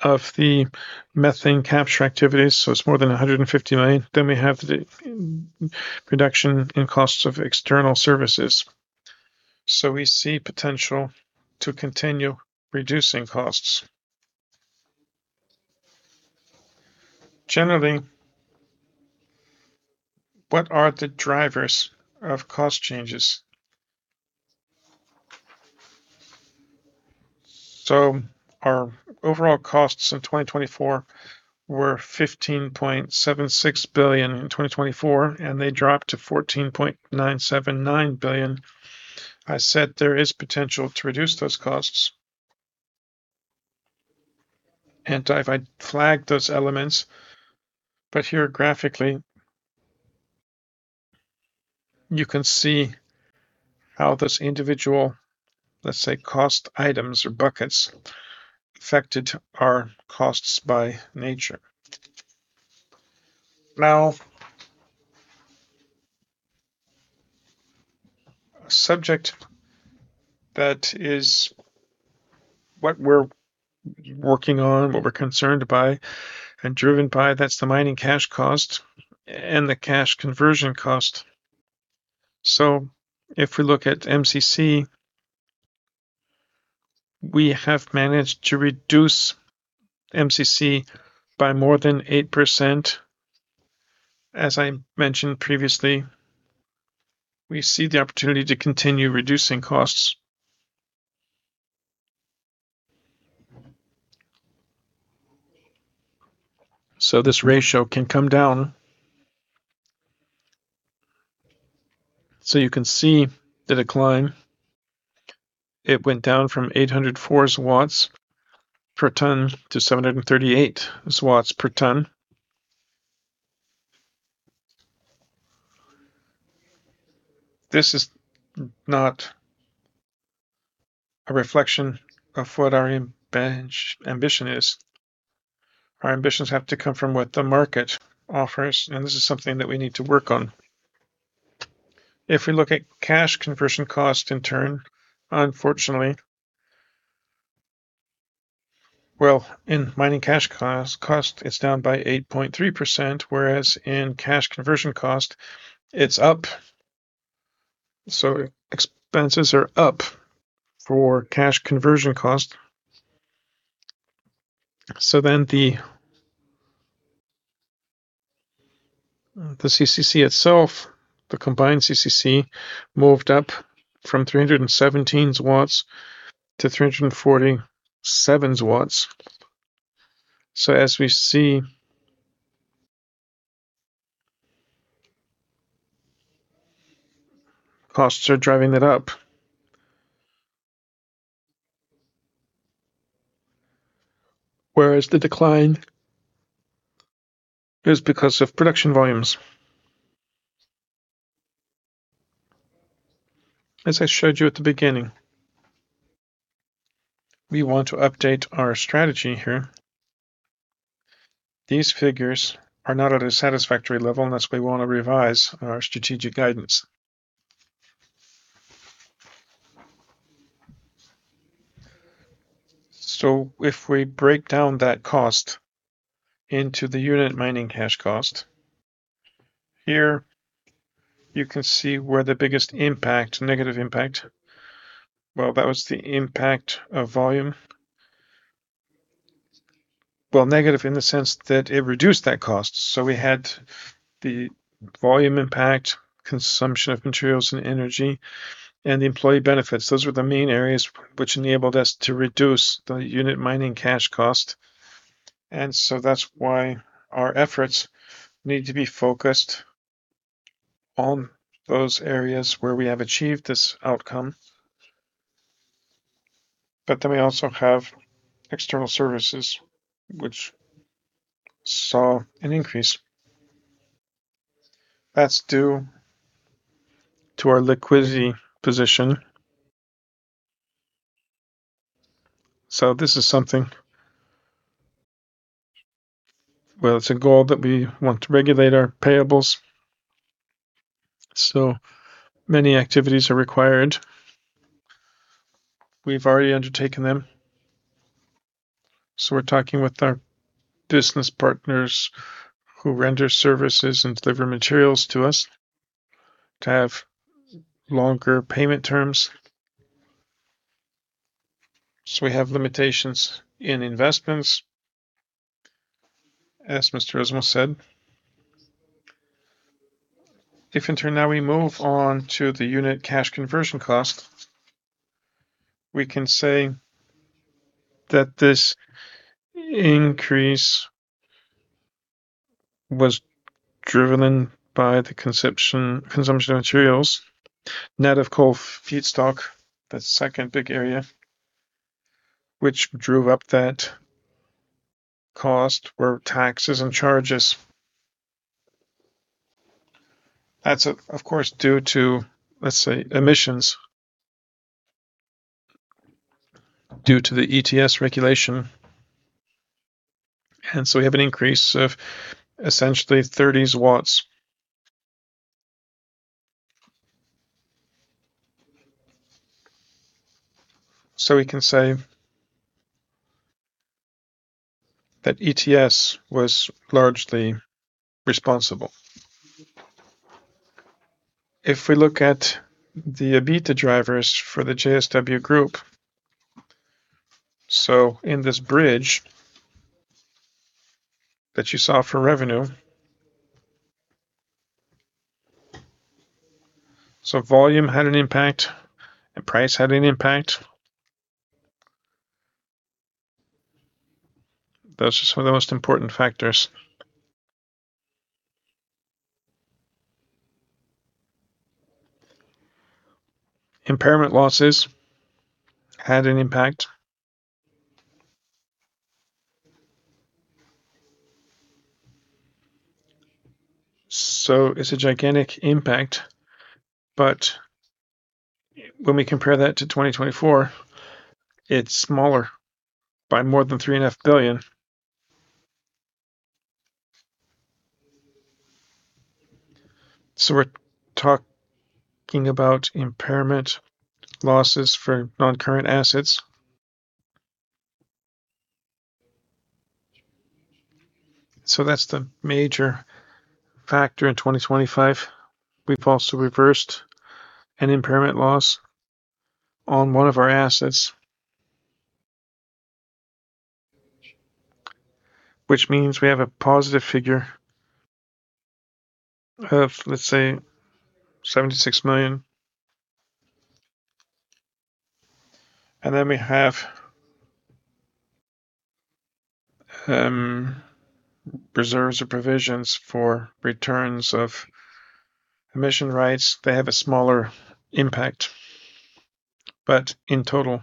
of the methane capture activities, so it's more than 150 million. We have the reduction in costs of external services. We see potential to continue reducing costs. Generally, what are the drivers of cost changes? Our overall costs in 2024 were 15.76 billion in 2024, and they dropped to 14.979 billion. I said there is potential to reduce those costs. I flagged those elements, but here graphically you can see how this individual, let's say, cost items or buckets affected our costs by nature. Now, a subject that is what we're working on, what we're concerned by and driven by, that's the Mining Cash Cost and the cash conversion cost. If we look at MCC, we have managed to reduce MCC by more than 8%. As I mentioned previously, we see the opportunity to continue reducing costs. This ratio can come down. You can see the decline. It went down from 804 PLN per ton to 738 PLN per ton. This is not a reflection of what our ambition is. Our ambitions have to come from what the market offers, and this is something that we need to work on. If we look at cash conversion cost in turn, unfortunately. Well, in Mining Cash Cost, it's down by 8.3%, whereas in cash conversion cost, it's up. Expenses are up for cash conversion cost. The CCC itself, the combined CCC, moved up from 317 to 347. As we see, costs are driving it up. Whereas the decline is because of production volumes. As I showed you at the beginning, we want to update our strategy here. These figures are not at a satisfactory level, and thus we want to revise our strategic guidance. If we break down that cost into the unit Mining Cash Cost, here you can see where the biggest impact, negative impact, well, that was the impact of volume. Well, negative in the sense that it reduced that cost. We had the volume impact, consumption of materials and energy, and the employee benefits. Those were the main areas which enabled us to reduce the unit Mining Cash Cost. That's why our efforts need to be focused on those areas where we have achieved this outcome. We also have external services which saw an increase. That's due to our liquidity position. This is something where it's a goal that we want to regulate our payables. Many activities are required. We've already undertaken them. We're talking with our business partners who render services and deliver materials to us to have longer payment terms. We have limitations in investments, as Mr. Rozmus said. If in turn now we move on to the unit cash conversion cost, we can say that this increase was driven by the consumption materials. Net of coal feedstock, that second big area, which drove up that cost were taxes and charges. That's, of course, due to, let's say, emissions due to the ETS regulation. We have an increase of essentially 30. We can say that ETS was largely responsible. We look at the EBITDA drivers for the JSW Group, in this bridge that you saw for revenue. Volume had an impact and price had an impact. Those are some of the most important factors. Impairment losses had an impact. It's a gigantic impact, but when we compare that to 2024, it's smaller by more than 3.5 billion. We're talking about impairment losses for non-current assets. That's the major factor in 2025. We've also reversed an impairment loss on one of our assets, which means we have a positive figure of, let's say, 76 million. We have reserves or provisions for returns of emission rights. They have a smaller impact, but in total,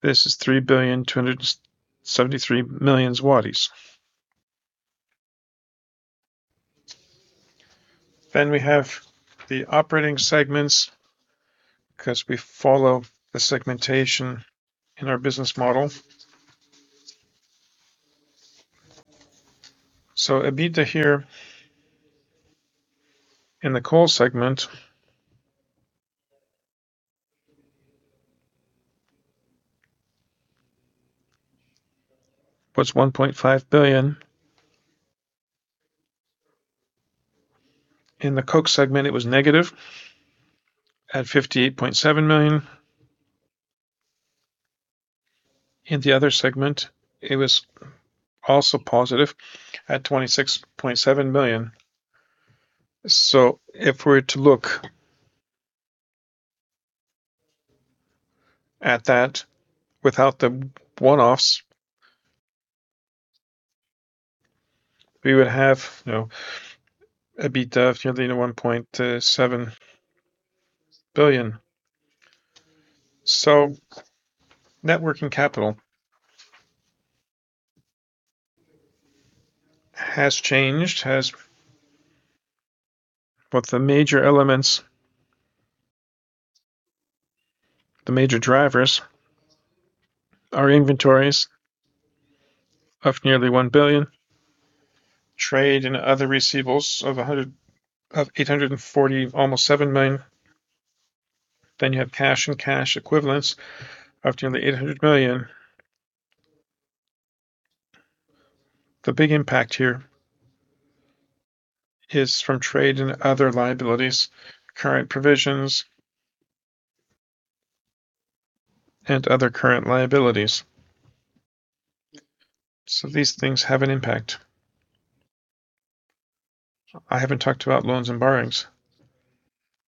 this is 3.273 billion. We have the operating segments because we follow the segmentation in our business model. EBITDA here in the Coal Segment was PLN 1.5 billion. In the Coke Segment, it was negative at PLN 58.7 million. In the other segment, it was also positive at 26.7 million. If we were to look at that without the one-offs, we would have, you know, EBITDA of nearly 1.7 billion. Net working capital has changed. But the major elements, the major drivers are inventories of nearly 1 billion, trade and other receivables of 847 million. You have cash and cash equivalents of nearly 800 million. The big impact here is from trade and other liabilities, current provisions, and other current liabilities. These things have an impact. I haven't talked about loans and borrowings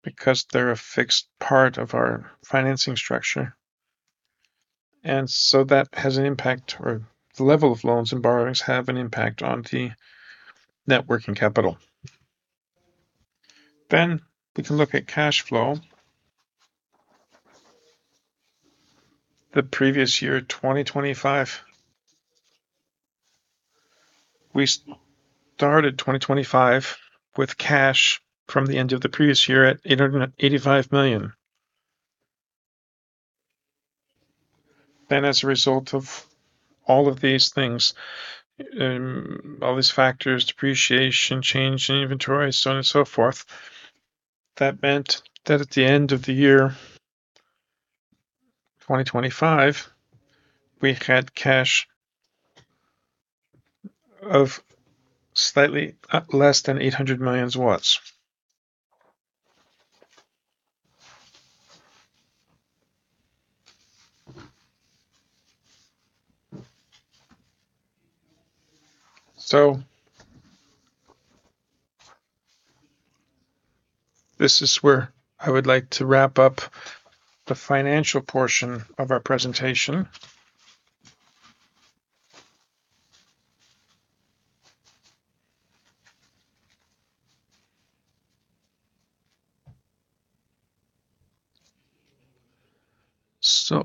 because they're a fixed part of our financing structure, and so that has an impact, or the level of loans and borrowings have an impact on the net working capital. We can look at cash flow. The previous year, 2025, we started 2025 with cash from the end of the previous year at 885 million. As a result of all of these things, all these factors, depreciation, change in inventory, so on and so forth, that meant that at the end of the year 2025, we had cash of slightly less than PLN 800 million. This is where I would like to wrap up the financial portion of our presentation.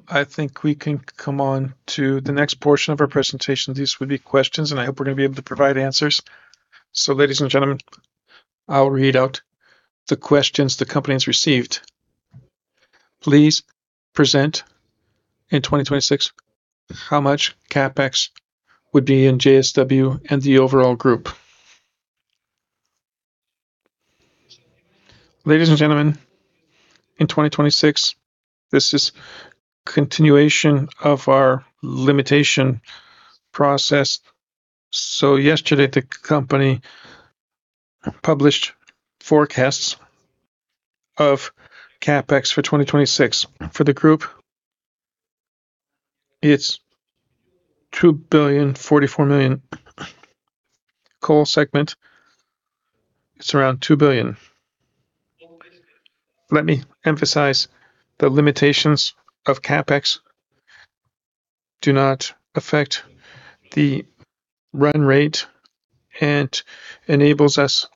I think we can come on to the next portion of our presentation. These would be questions, and I hope we're gonna be able to provide answers. Ladies and gentlemen, I'll read out the questions the company has received. Please present in 2026 how much CapEx would be in JSW and the overall group. Ladies and gentlemen, in 2026, this is continuation of our limitation process. Yesterday, the company published forecasts of CapEx for 2026. For the group, it's 2.044 billion. Coal Segment, it's around 2 billion. Let me emphasize the limitations of CapEx do not affect the run rate and enables us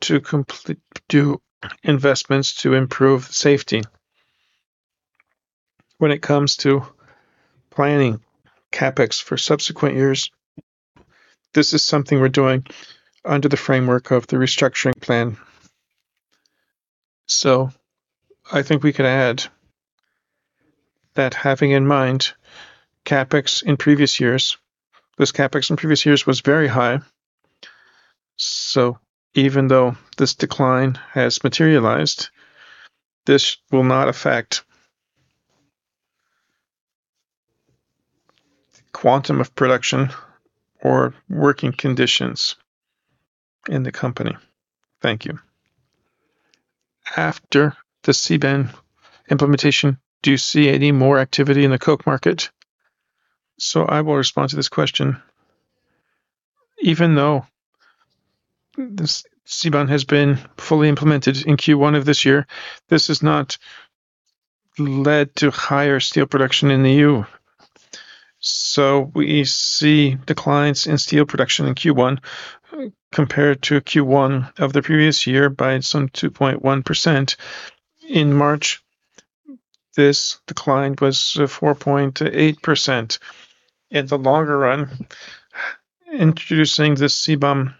to do investments to improve safety. When it comes to planning CapEx for subsequent years, this is something we're doing under the framework of the restructuring plan. I think we could add that having in mind CapEx in previous years, this CapEx in previous years was very high. Even though this decline has materialized, this will not affect quantum of production or working conditions in the company. Thank you. After the CBAM implementation, do you see any more activity in the coke market? I will respond to this question. Even though this CBAM has been fully implemented in Q1 of this year, this has not led to higher steel production in the EU. We see declines in steel production in Q1 compared to Q1 of the previous year by some 2.1%. In March, this decline was 4.8%. In the longer run, introducing the CBAM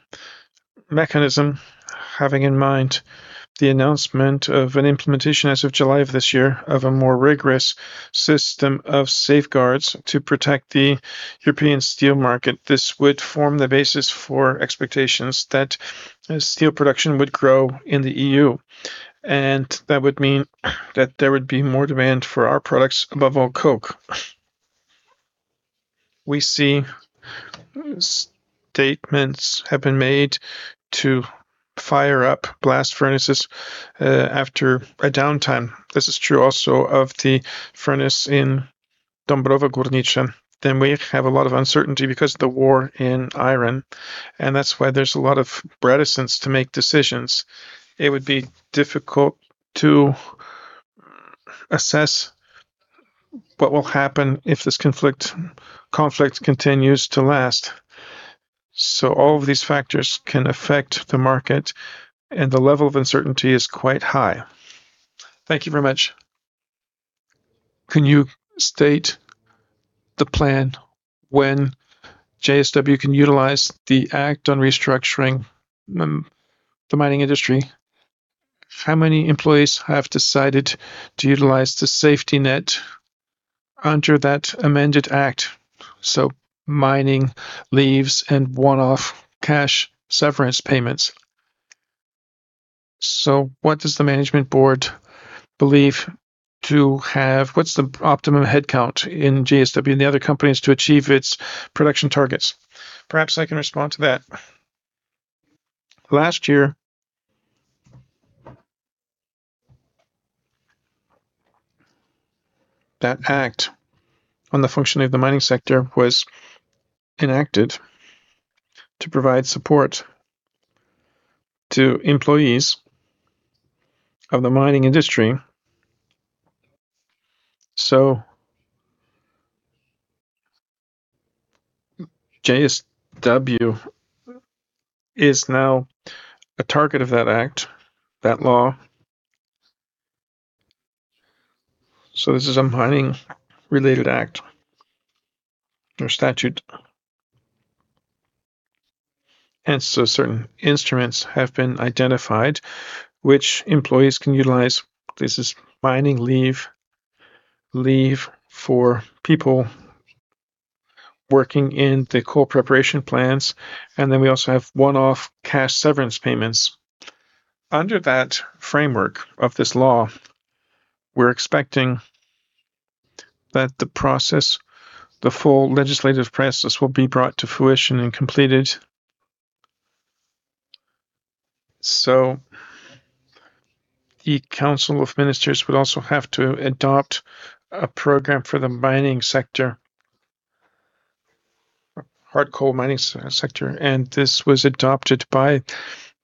mechanism, having in mind the announcement of an implementation as of July of this year of a more rigorous system of safeguards to protect the European steel market, this would form the basis for expectations that steel production would grow in the EU, and that would mean that there would be more demand for our products, above all coke. We see statements have been made to fire up blast furnaces after a downtime. This is true also of the furnace in Dąbrowa Górnicza. We have a lot of uncertainty because of the war in Ukraine, and that's why there's a lot of reticence to make decisions. It would be difficult to assess what will happen if this conflict continues to last. All of these factors can affect the market, and the level of uncertainty is quite high. Thank you very much. Can you state the plan when JSW can utilize the act on restructuring the mining industry? How many employees have decided to utilize the safety net under that amended act? Mining leave and one-off cash severance payments. What does the Management Board believe? What's the optimum headcount in JSW and the other companies to achieve its production targets? Perhaps I can respond to that. Last year, that act on the functioning of the mining sector was enacted to provide support to employees of the mining industry. JSW is now a target of that act, that law. This is a mining-related act or statute. Certain instruments have been identified which employees can utilize. This is mining leave for people working in the coal preparation plants, and then we also have one-off cash severance payments. Under that framework of this law, we're expecting that the process, the full legislative process, will be brought to fruition and completed. The Council of Ministers would also have to adopt a program for the mining sector, hard coal mining sector, and this was adopted by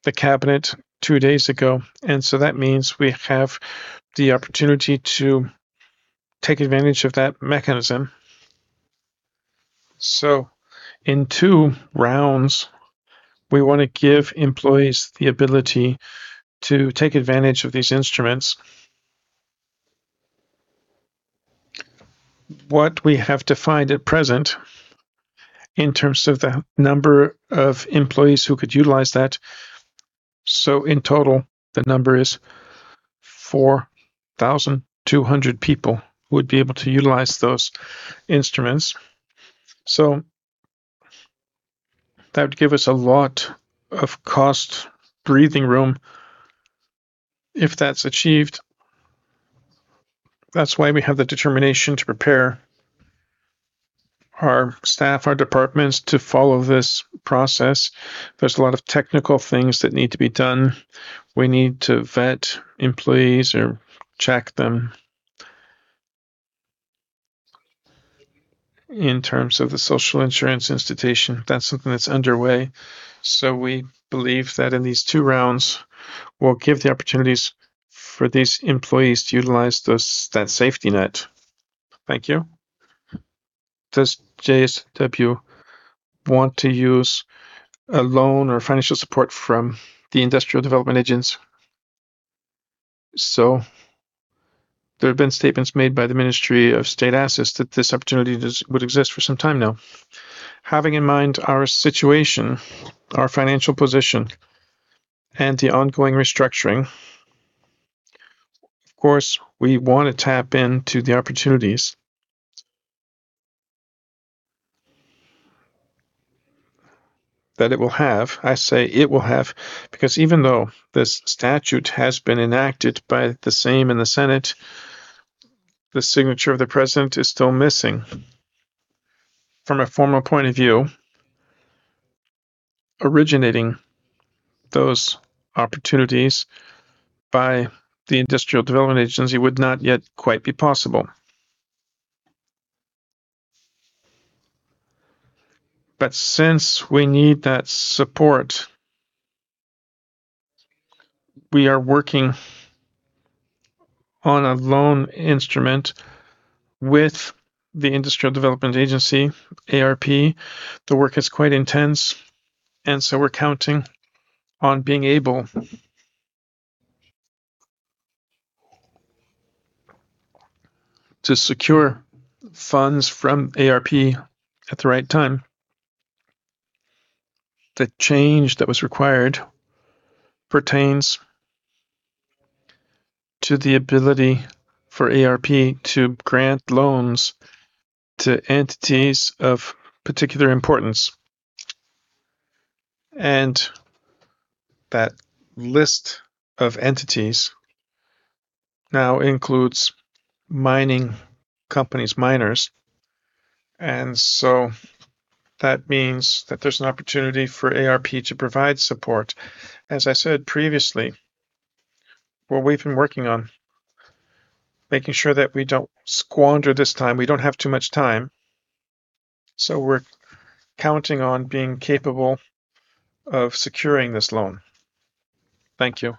the cabinet two days ago. That means we have the opportunity to take advantage of that mechanism. In two rounds, we want to give employees the ability to take advantage of these instruments. What we have defined at present in terms of the number of employees who could utilize that, so in total, the number is 4,200 people would be able to utilize those instruments. That would give us a lot of cost breathing room if that's achieved. That's why we have the determination to prepare our staff, our departments to follow this process. There's a lot of technical things that need to be done. We need to vet employees or check them. In terms of the social insurance institution, that's something that's underway. We believe that in these two rounds, we'll give the opportunities for these employees to utilize that safety net. Thank you. Does JSW want to use a loan or financial support from the Industrial Development Agency? There have been statements made by the Ministry of State Assets that this opportunity would exist for some time now. Having in mind our situation, our financial position, and the ongoing restructuring, of course, we want to tap into the opportunities that it will have. I say it will have because even though this statute has been enacted by the Sejm in the Senate, the signature of the President is still missing. From a formal point of view, originating those opportunities by the Industrial Development Agency would not yet quite be possible. Since we need that support, we are working on a loan instrument with the Industrial Development Agency, ARP. The work is quite intense, and so we're counting on being able to secure funds from ARP at the right time. The change that was required pertains to the ability for ARP to grant loans to entities of particular importance. That list of entities now includes mining companies, miners. That means that there's an opportunity for ARP to provide support. As I said previously, what we've been working on, making sure that we don't squander this time. We don't have too much time. We're counting on being capable of securing this loan. Thank you.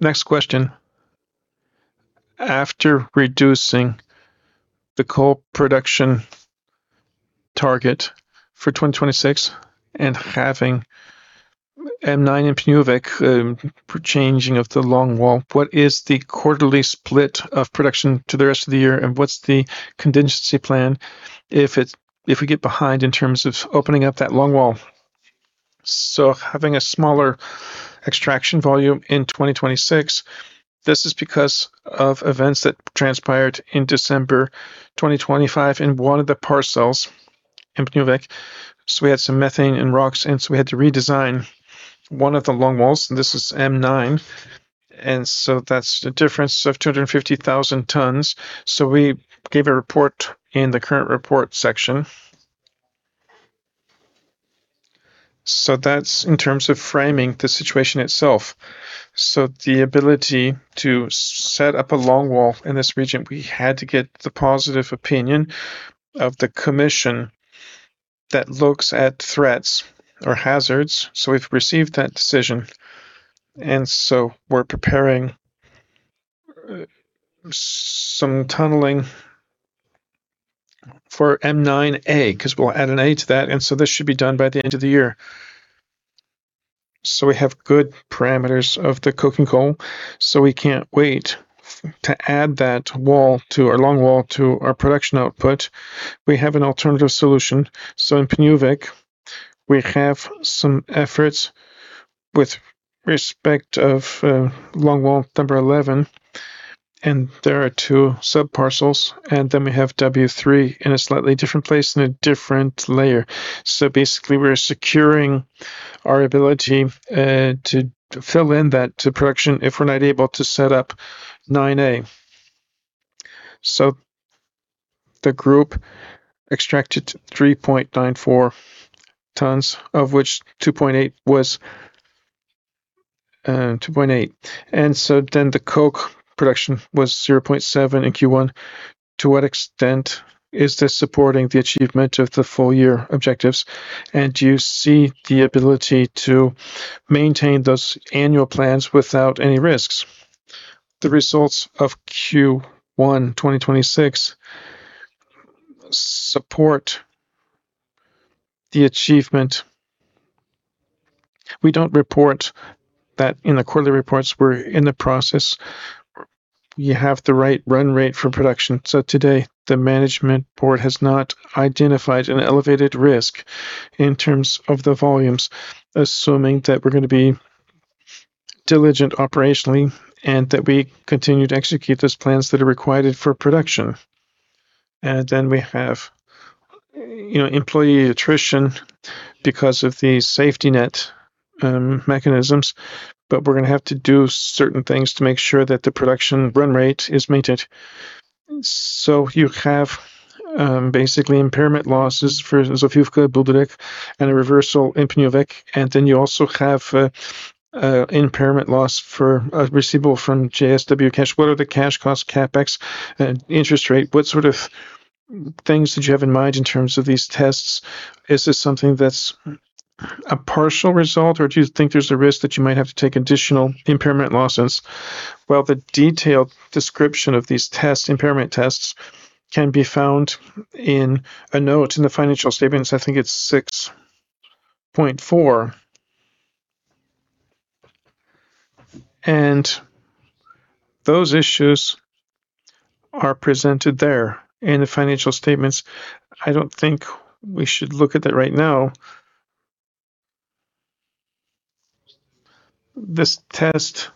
Next question. After reducing the Coal Production target for 2026 and having M9 in Pniówek changing of the longwall, what is the quarterly split of production to the rest of the year? What's the contingency plan if we get behind in terms of opening up that longwall? Having a smaller extraction volume in 2026, this is because of events that transpired in December 2025 in one of the parcels in Pniówek. We had some methane and rocks, we had to redesign one of the longwalls. This is M9. That's a difference of 250,000 tons. We gave a report in the current report section. That's in terms of framing the situation itself. The ability to set up a longwall in this region, we had to get the positive opinion of the commission that looks at threats or hazards. We've received that decision. We're preparing some tunneling for M9A because we'll add an A to that. This should be done by the end of the year. We have good parameters of the coking coal. We can't wait to add that wall to our longwall to our production output. We have an alternative solution. In Pniówek, we have some efforts with respect of longwall number 11. There are two sub-parcels. We have W3 in a slightly different place in a different layer. Basically, we're securing our ability to fill in that to production if we're not able to set up 9A. The group extracted 3.94 tons, of which 2.8 tons was 2.8 tons. The coke production was 0.7 tons in Q1. To what extent is this supporting the achievement of the full-year objectives? Do you see the ability to maintain those annual plans without any risks? The results of Q1 2026 support the achievement. We don't report that in the quarterly reports. We're in the process. You have the right run rate for production. Today, the management board has not identified an elevated risk in terms of the volumes, assuming that we're going to be diligent operationally and that we continue to execute those plans that are required for production. Then we have, you know, employee attrition because of the safety net mechanisms, but we're going to have to do certain things to make sure that the production run rate is maintained. You have basically impairment losses for Zofiówka, Budryk, and a reversal in Pniówek. Then you also have impairment loss for a receivable from JSW Koks. What are the cash costs, CapEx, and interest rate? What sort of things did you have in mind in terms of these tests? Is this something that's a partial result, or do you think there's a risk that you might have to take additional impairment losses? Well, the detailed description of these tests, impairment tests, can be found in a note in the financial statements. I think it's 6.4. Those issues are presented there in the financial statements. I don't think we should look at that right now. This test,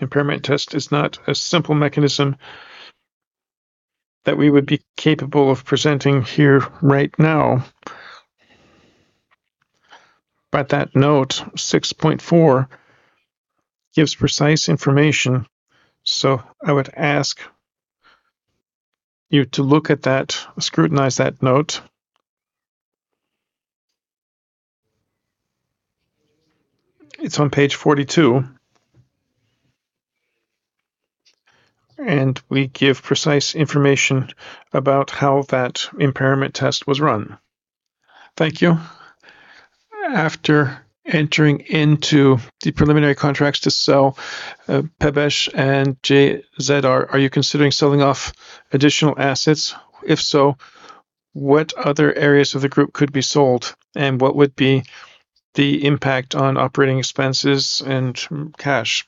impairment test, is not a simple mechanism that we would be capable of presenting here right now. That note, 6.4, gives precise information. I would ask you to look at that, scrutinize that note. It's on page 42. We give precise information about how that impairment test was run. Thank you. After entering into the preliminary contracts to sell PBSz and JZR, are you considering selling off additional assets? If so, what other areas of the group could be sold, and what would be the impact on operating expenses and cash?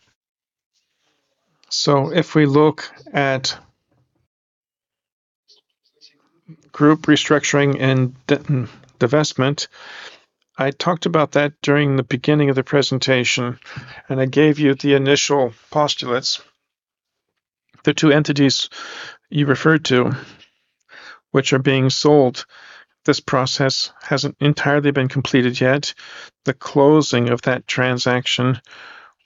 If we look at group restructuring and divestment, I talked about that during the beginning of the presentation, and I gave you the initial postulates. The two entities you referred to, which are being sold, this process hasn't entirely been completed yet. The closing of that transaction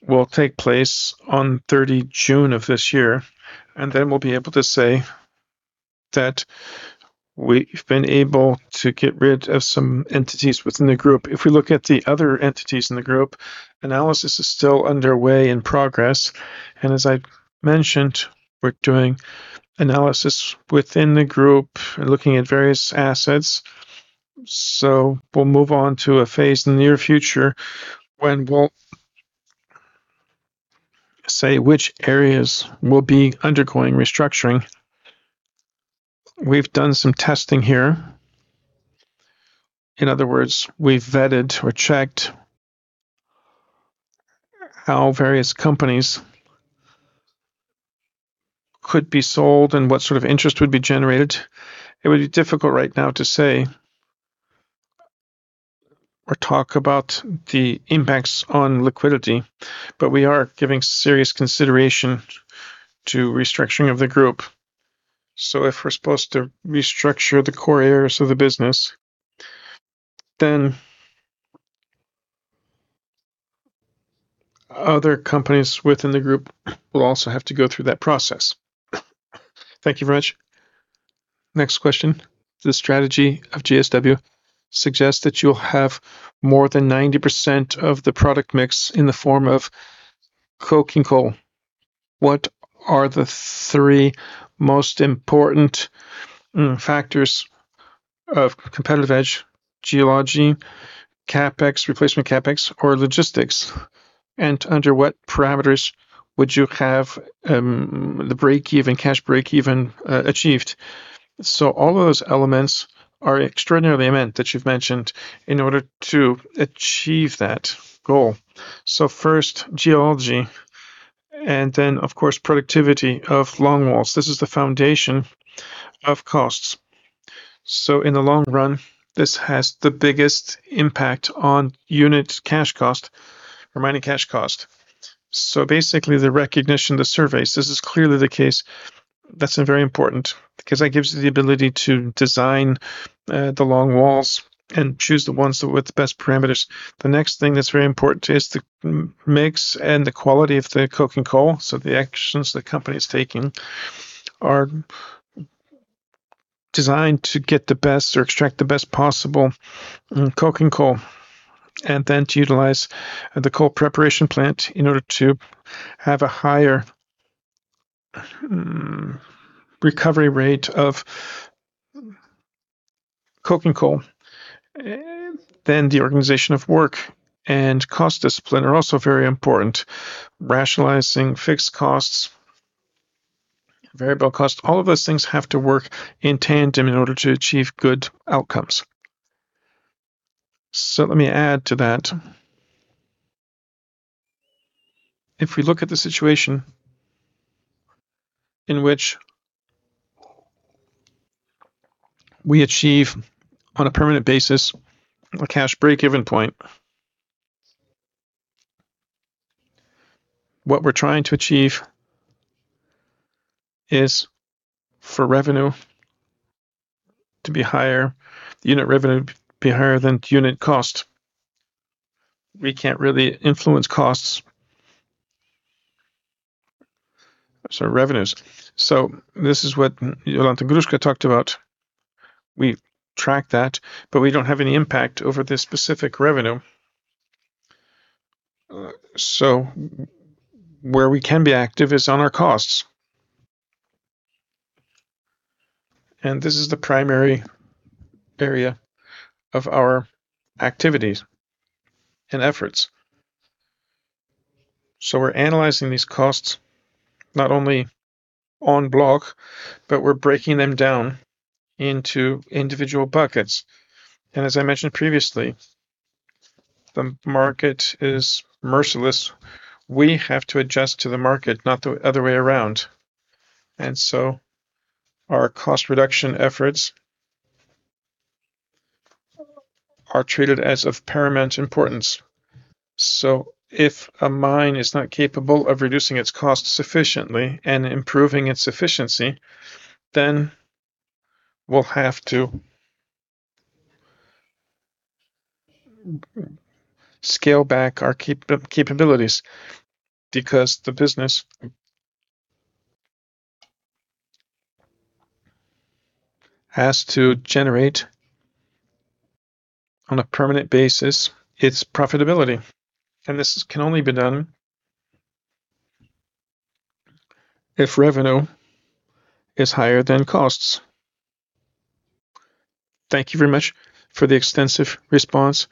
will take place on 30 June of this year, and then we'll be able to say that we've been able to get rid of some entities within the group. If we look at the other entities in the group, analysis is still underway in progress. As I mentioned, we're doing analysis within the group and looking at various assets. We'll move on to a phase in the near future when we'll say which areas will be undergoing restructuring. We've done some testing here. In other words, we've vetted or checked how various companies could be sold and what sort of interest would be generated. It would be difficult right now to say or talk about the impacts on liquidity, but we are giving serious consideration to restructuring of the group. If we're supposed to restructure the core areas of the business, then other companies within the group will also have to go through that process. Thank you very much. Next question. The strategy of JSW suggests that you'll have more than 90% of the product mix in the form of coke and coal. What are the three most important factors of competitive edge, geology, CapEx, replacement CapEx, or logistics? Under what parameters would you have the breakeven, cash breakeven achieved? All of those elements are extraordinarily immense that you've mentioned in order to achieve that goal. First, geology, and then, of course, productivity of longwalls. This is the foundation of costs. In the long run, this has the biggest impact on unit cash cost or Mining Cash Cost. Basically, the recognition, the surveys, this is clearly the case. That's very important because that gives you the ability to design the longwalls and choose the ones with the best parameters. The next thing that's very important is the mix and the quality of the coke and coal. The actions the company is taking are designed to get the best or extract the best possible coke and coal and then to utilize the coal preparation plant in order to have a higher recovery rate of coke and coal. The organization of work and cost discipline are also very important. Rationalizing fixed costs, variable costs, all of those things have to work in tandem in order to achieve good outcomes. Let me add to that. If we look at the situation in which we achieve on a permanent basis a cash break-even point, what we're trying to achieve is for revenue to be higher, the unit revenue to be higher than unit cost. We can't really influence costs. Sorry, revenues. This is what Jolanta Gruszka talked about. We track that, but we don't have any impact over the specific revenue. Where we can be active is on our costs. This is the primary area of our activities and efforts. We're analyzing these costs not only on block, but we're breaking them down into individual buckets. As I mentioned previously, the market is merciless. We have to adjust to the market, not the other way around. Our cost reduction efforts are treated as of paramount importance. If a mine is not capable of reducing its costs sufficiently and improving its efficiency, then we'll have to scale back our capabilities because the business has to generate on a permanent basis its profitability. This can only be done if revenue is higher than costs. Thank you very much for the extensive response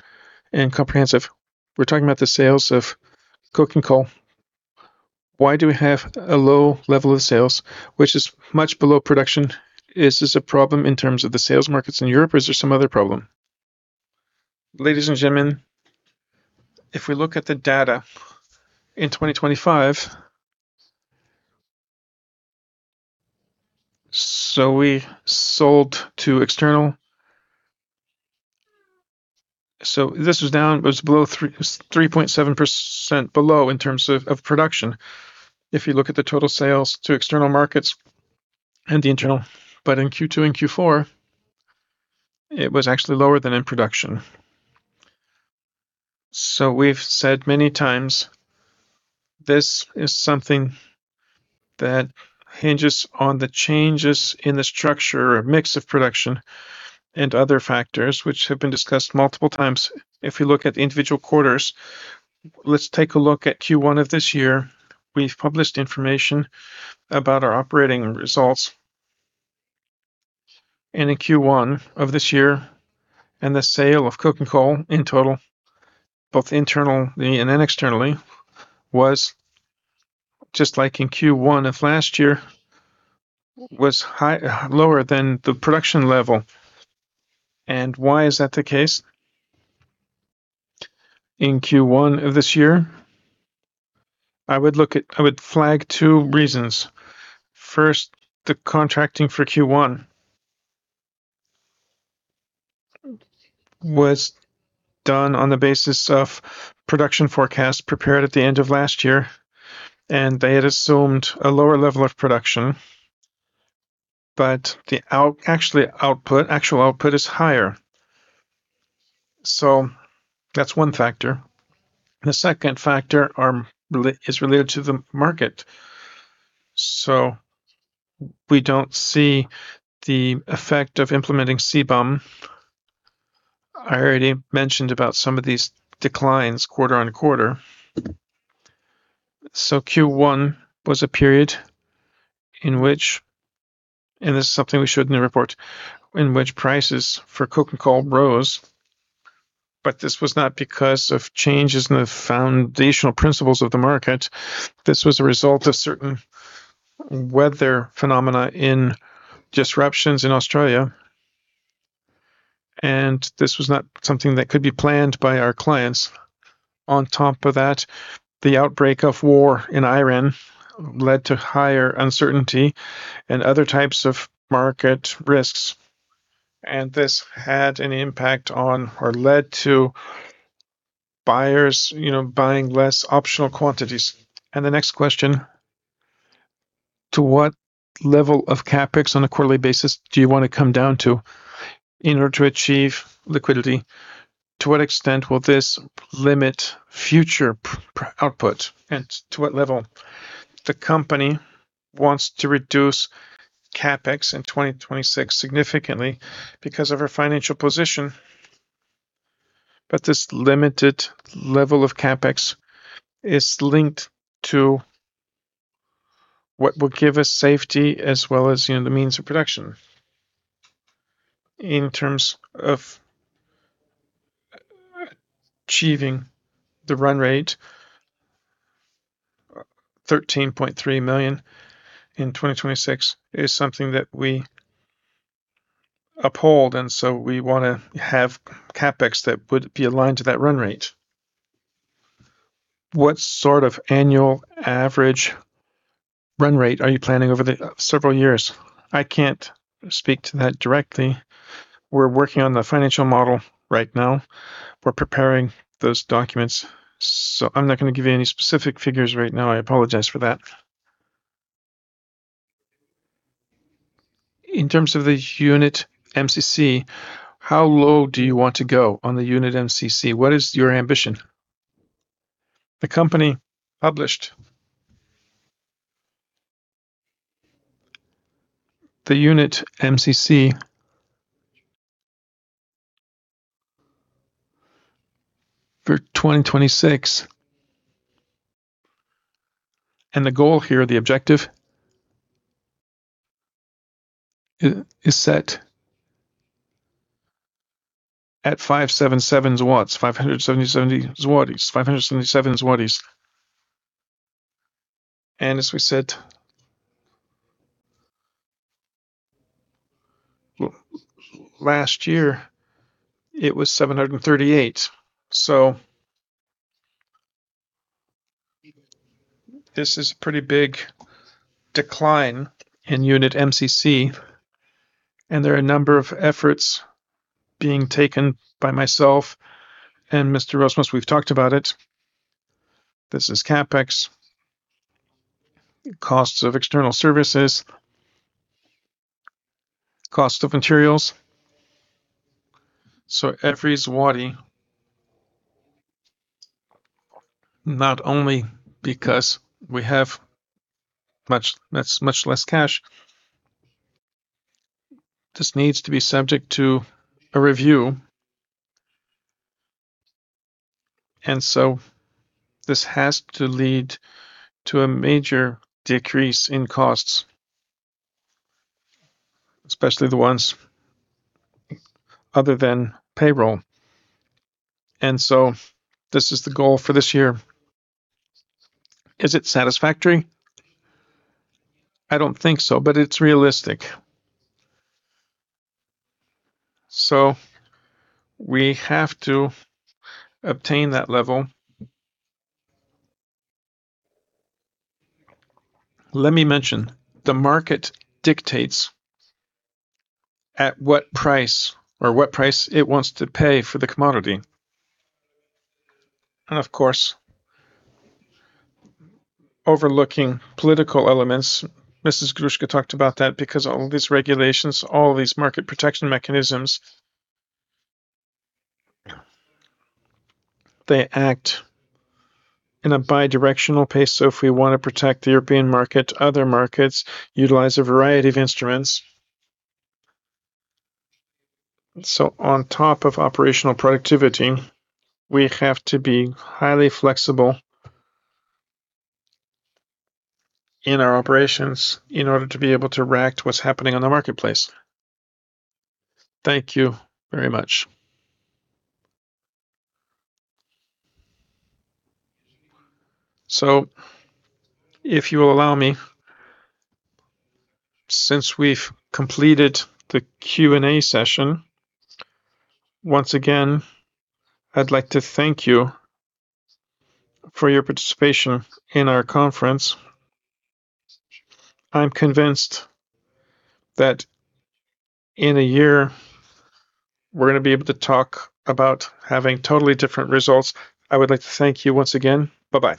and comprehensive. We're talking about the sales of coke and coal. Why do we have a low level of sales, which is much below production? Is this a problem in terms of the sales markets in Europe or is there some other problem? Ladies and gentlemen, if we look at the data in 2025, we sold to external. This was down, it was below 3.7% below in terms of production. If you look at the total sales to external markets and the internal. In Q2 and Q4, it was actually lower than in production. We've said many times, this is something that hinges on the changes in the structure or mix of production and other factors, which have been discussed multiple times. If you look at individual quarters, let's take a look at Q1 of this year. We've published information about our operating results. In Q1 of this year, and the sale of coke and coal in total, both internally and externally, was just like in Q1 of last year, was lower than the production level. Why is that the case? In Q1 of this year, I would flag two reasons. First, the contracting for Q1 was done on the basis of production forecasts prepared at the end of last year. They had assumed a lower level of production, but the actual output is higher. That's one factor. The second factor is related to the market. We don't see the effect of implementing CBAM. I already mentioned about some of these declines quarter-on-quarter. Q1 was a period in which, and this is something we showed in the report, in which prices for coke and coal rose. This was not because of changes in the foundational principles of the market. This was a result of certain weather phenomena in disruptions in Australia. This was not something that could be planned by our clients. On top of that, the outbreak of war in Iran led to higher uncertainty and other types of market risks. This had an impact on or led to buyers, you know, buying less optional quantities. The next question, to what level of CapEx on a quarterly basis do you wanna come down to in order to achieve liquidity? To what extent will this limit future output, and to what level? The company wants to reduce CapEx in 2026 significantly because of our financial position. This limited level of CapEx is linked to what will give us safety as well as, you know, the means of production. In terms of achieving the run rate, 13.3 million in 2026 is something that we uphold, and so we wanna have CapEx that would be aligned to that run rate. What sort of annual average run rate are you planning over the several years? I can't speak to that directly. We're working on the financial model right now. We're preparing those documents, so I'm not gonna give you any specific figures right now. I apologize for that. In terms of the unit MCC, how low do you want to go on the unit MCC? What is your ambition? The company published the unit MCC for 2026, and the goal here, the objective is set at 577, PLN 570, PLN 577. As we said, last year it was 738. This is a pretty big decline in unit MCC, and there are a number of efforts being taken by myself and Mr. Rozmus. We've talked about it. This is CapEx, costs of external services, cost of materials. Every złoty, not only because we have much, that's much less cash, this needs to be subject to a review. This has to lead to a major decrease in costs, especially the ones other than payroll. This is the goal for this year. Is it satisfactory? I don't think so, but it's realistic. We have to obtain that level. Let me mention, the market dictates at what price or what price it wants to pay for the commodity. Of course, overlooking political elements, Mrs. Gruszka talked about that, because all these regulations, all these market protection mechanisms, they act in a bi-directional pace. If we wanna protect the European market, other markets utilize a variety of instruments. On top of operational productivity, we have to be highly flexible in our operations in order to be able to react to what's happening on the marketplace. Thank you very much. If you will allow me, since we've completed the Q&A session, once again, I'd like to thank you for your participation in our conference. I'm convinced that in a year we're gonna be able to talk about having totally different results. I would like to thank you once again. Bye-bye.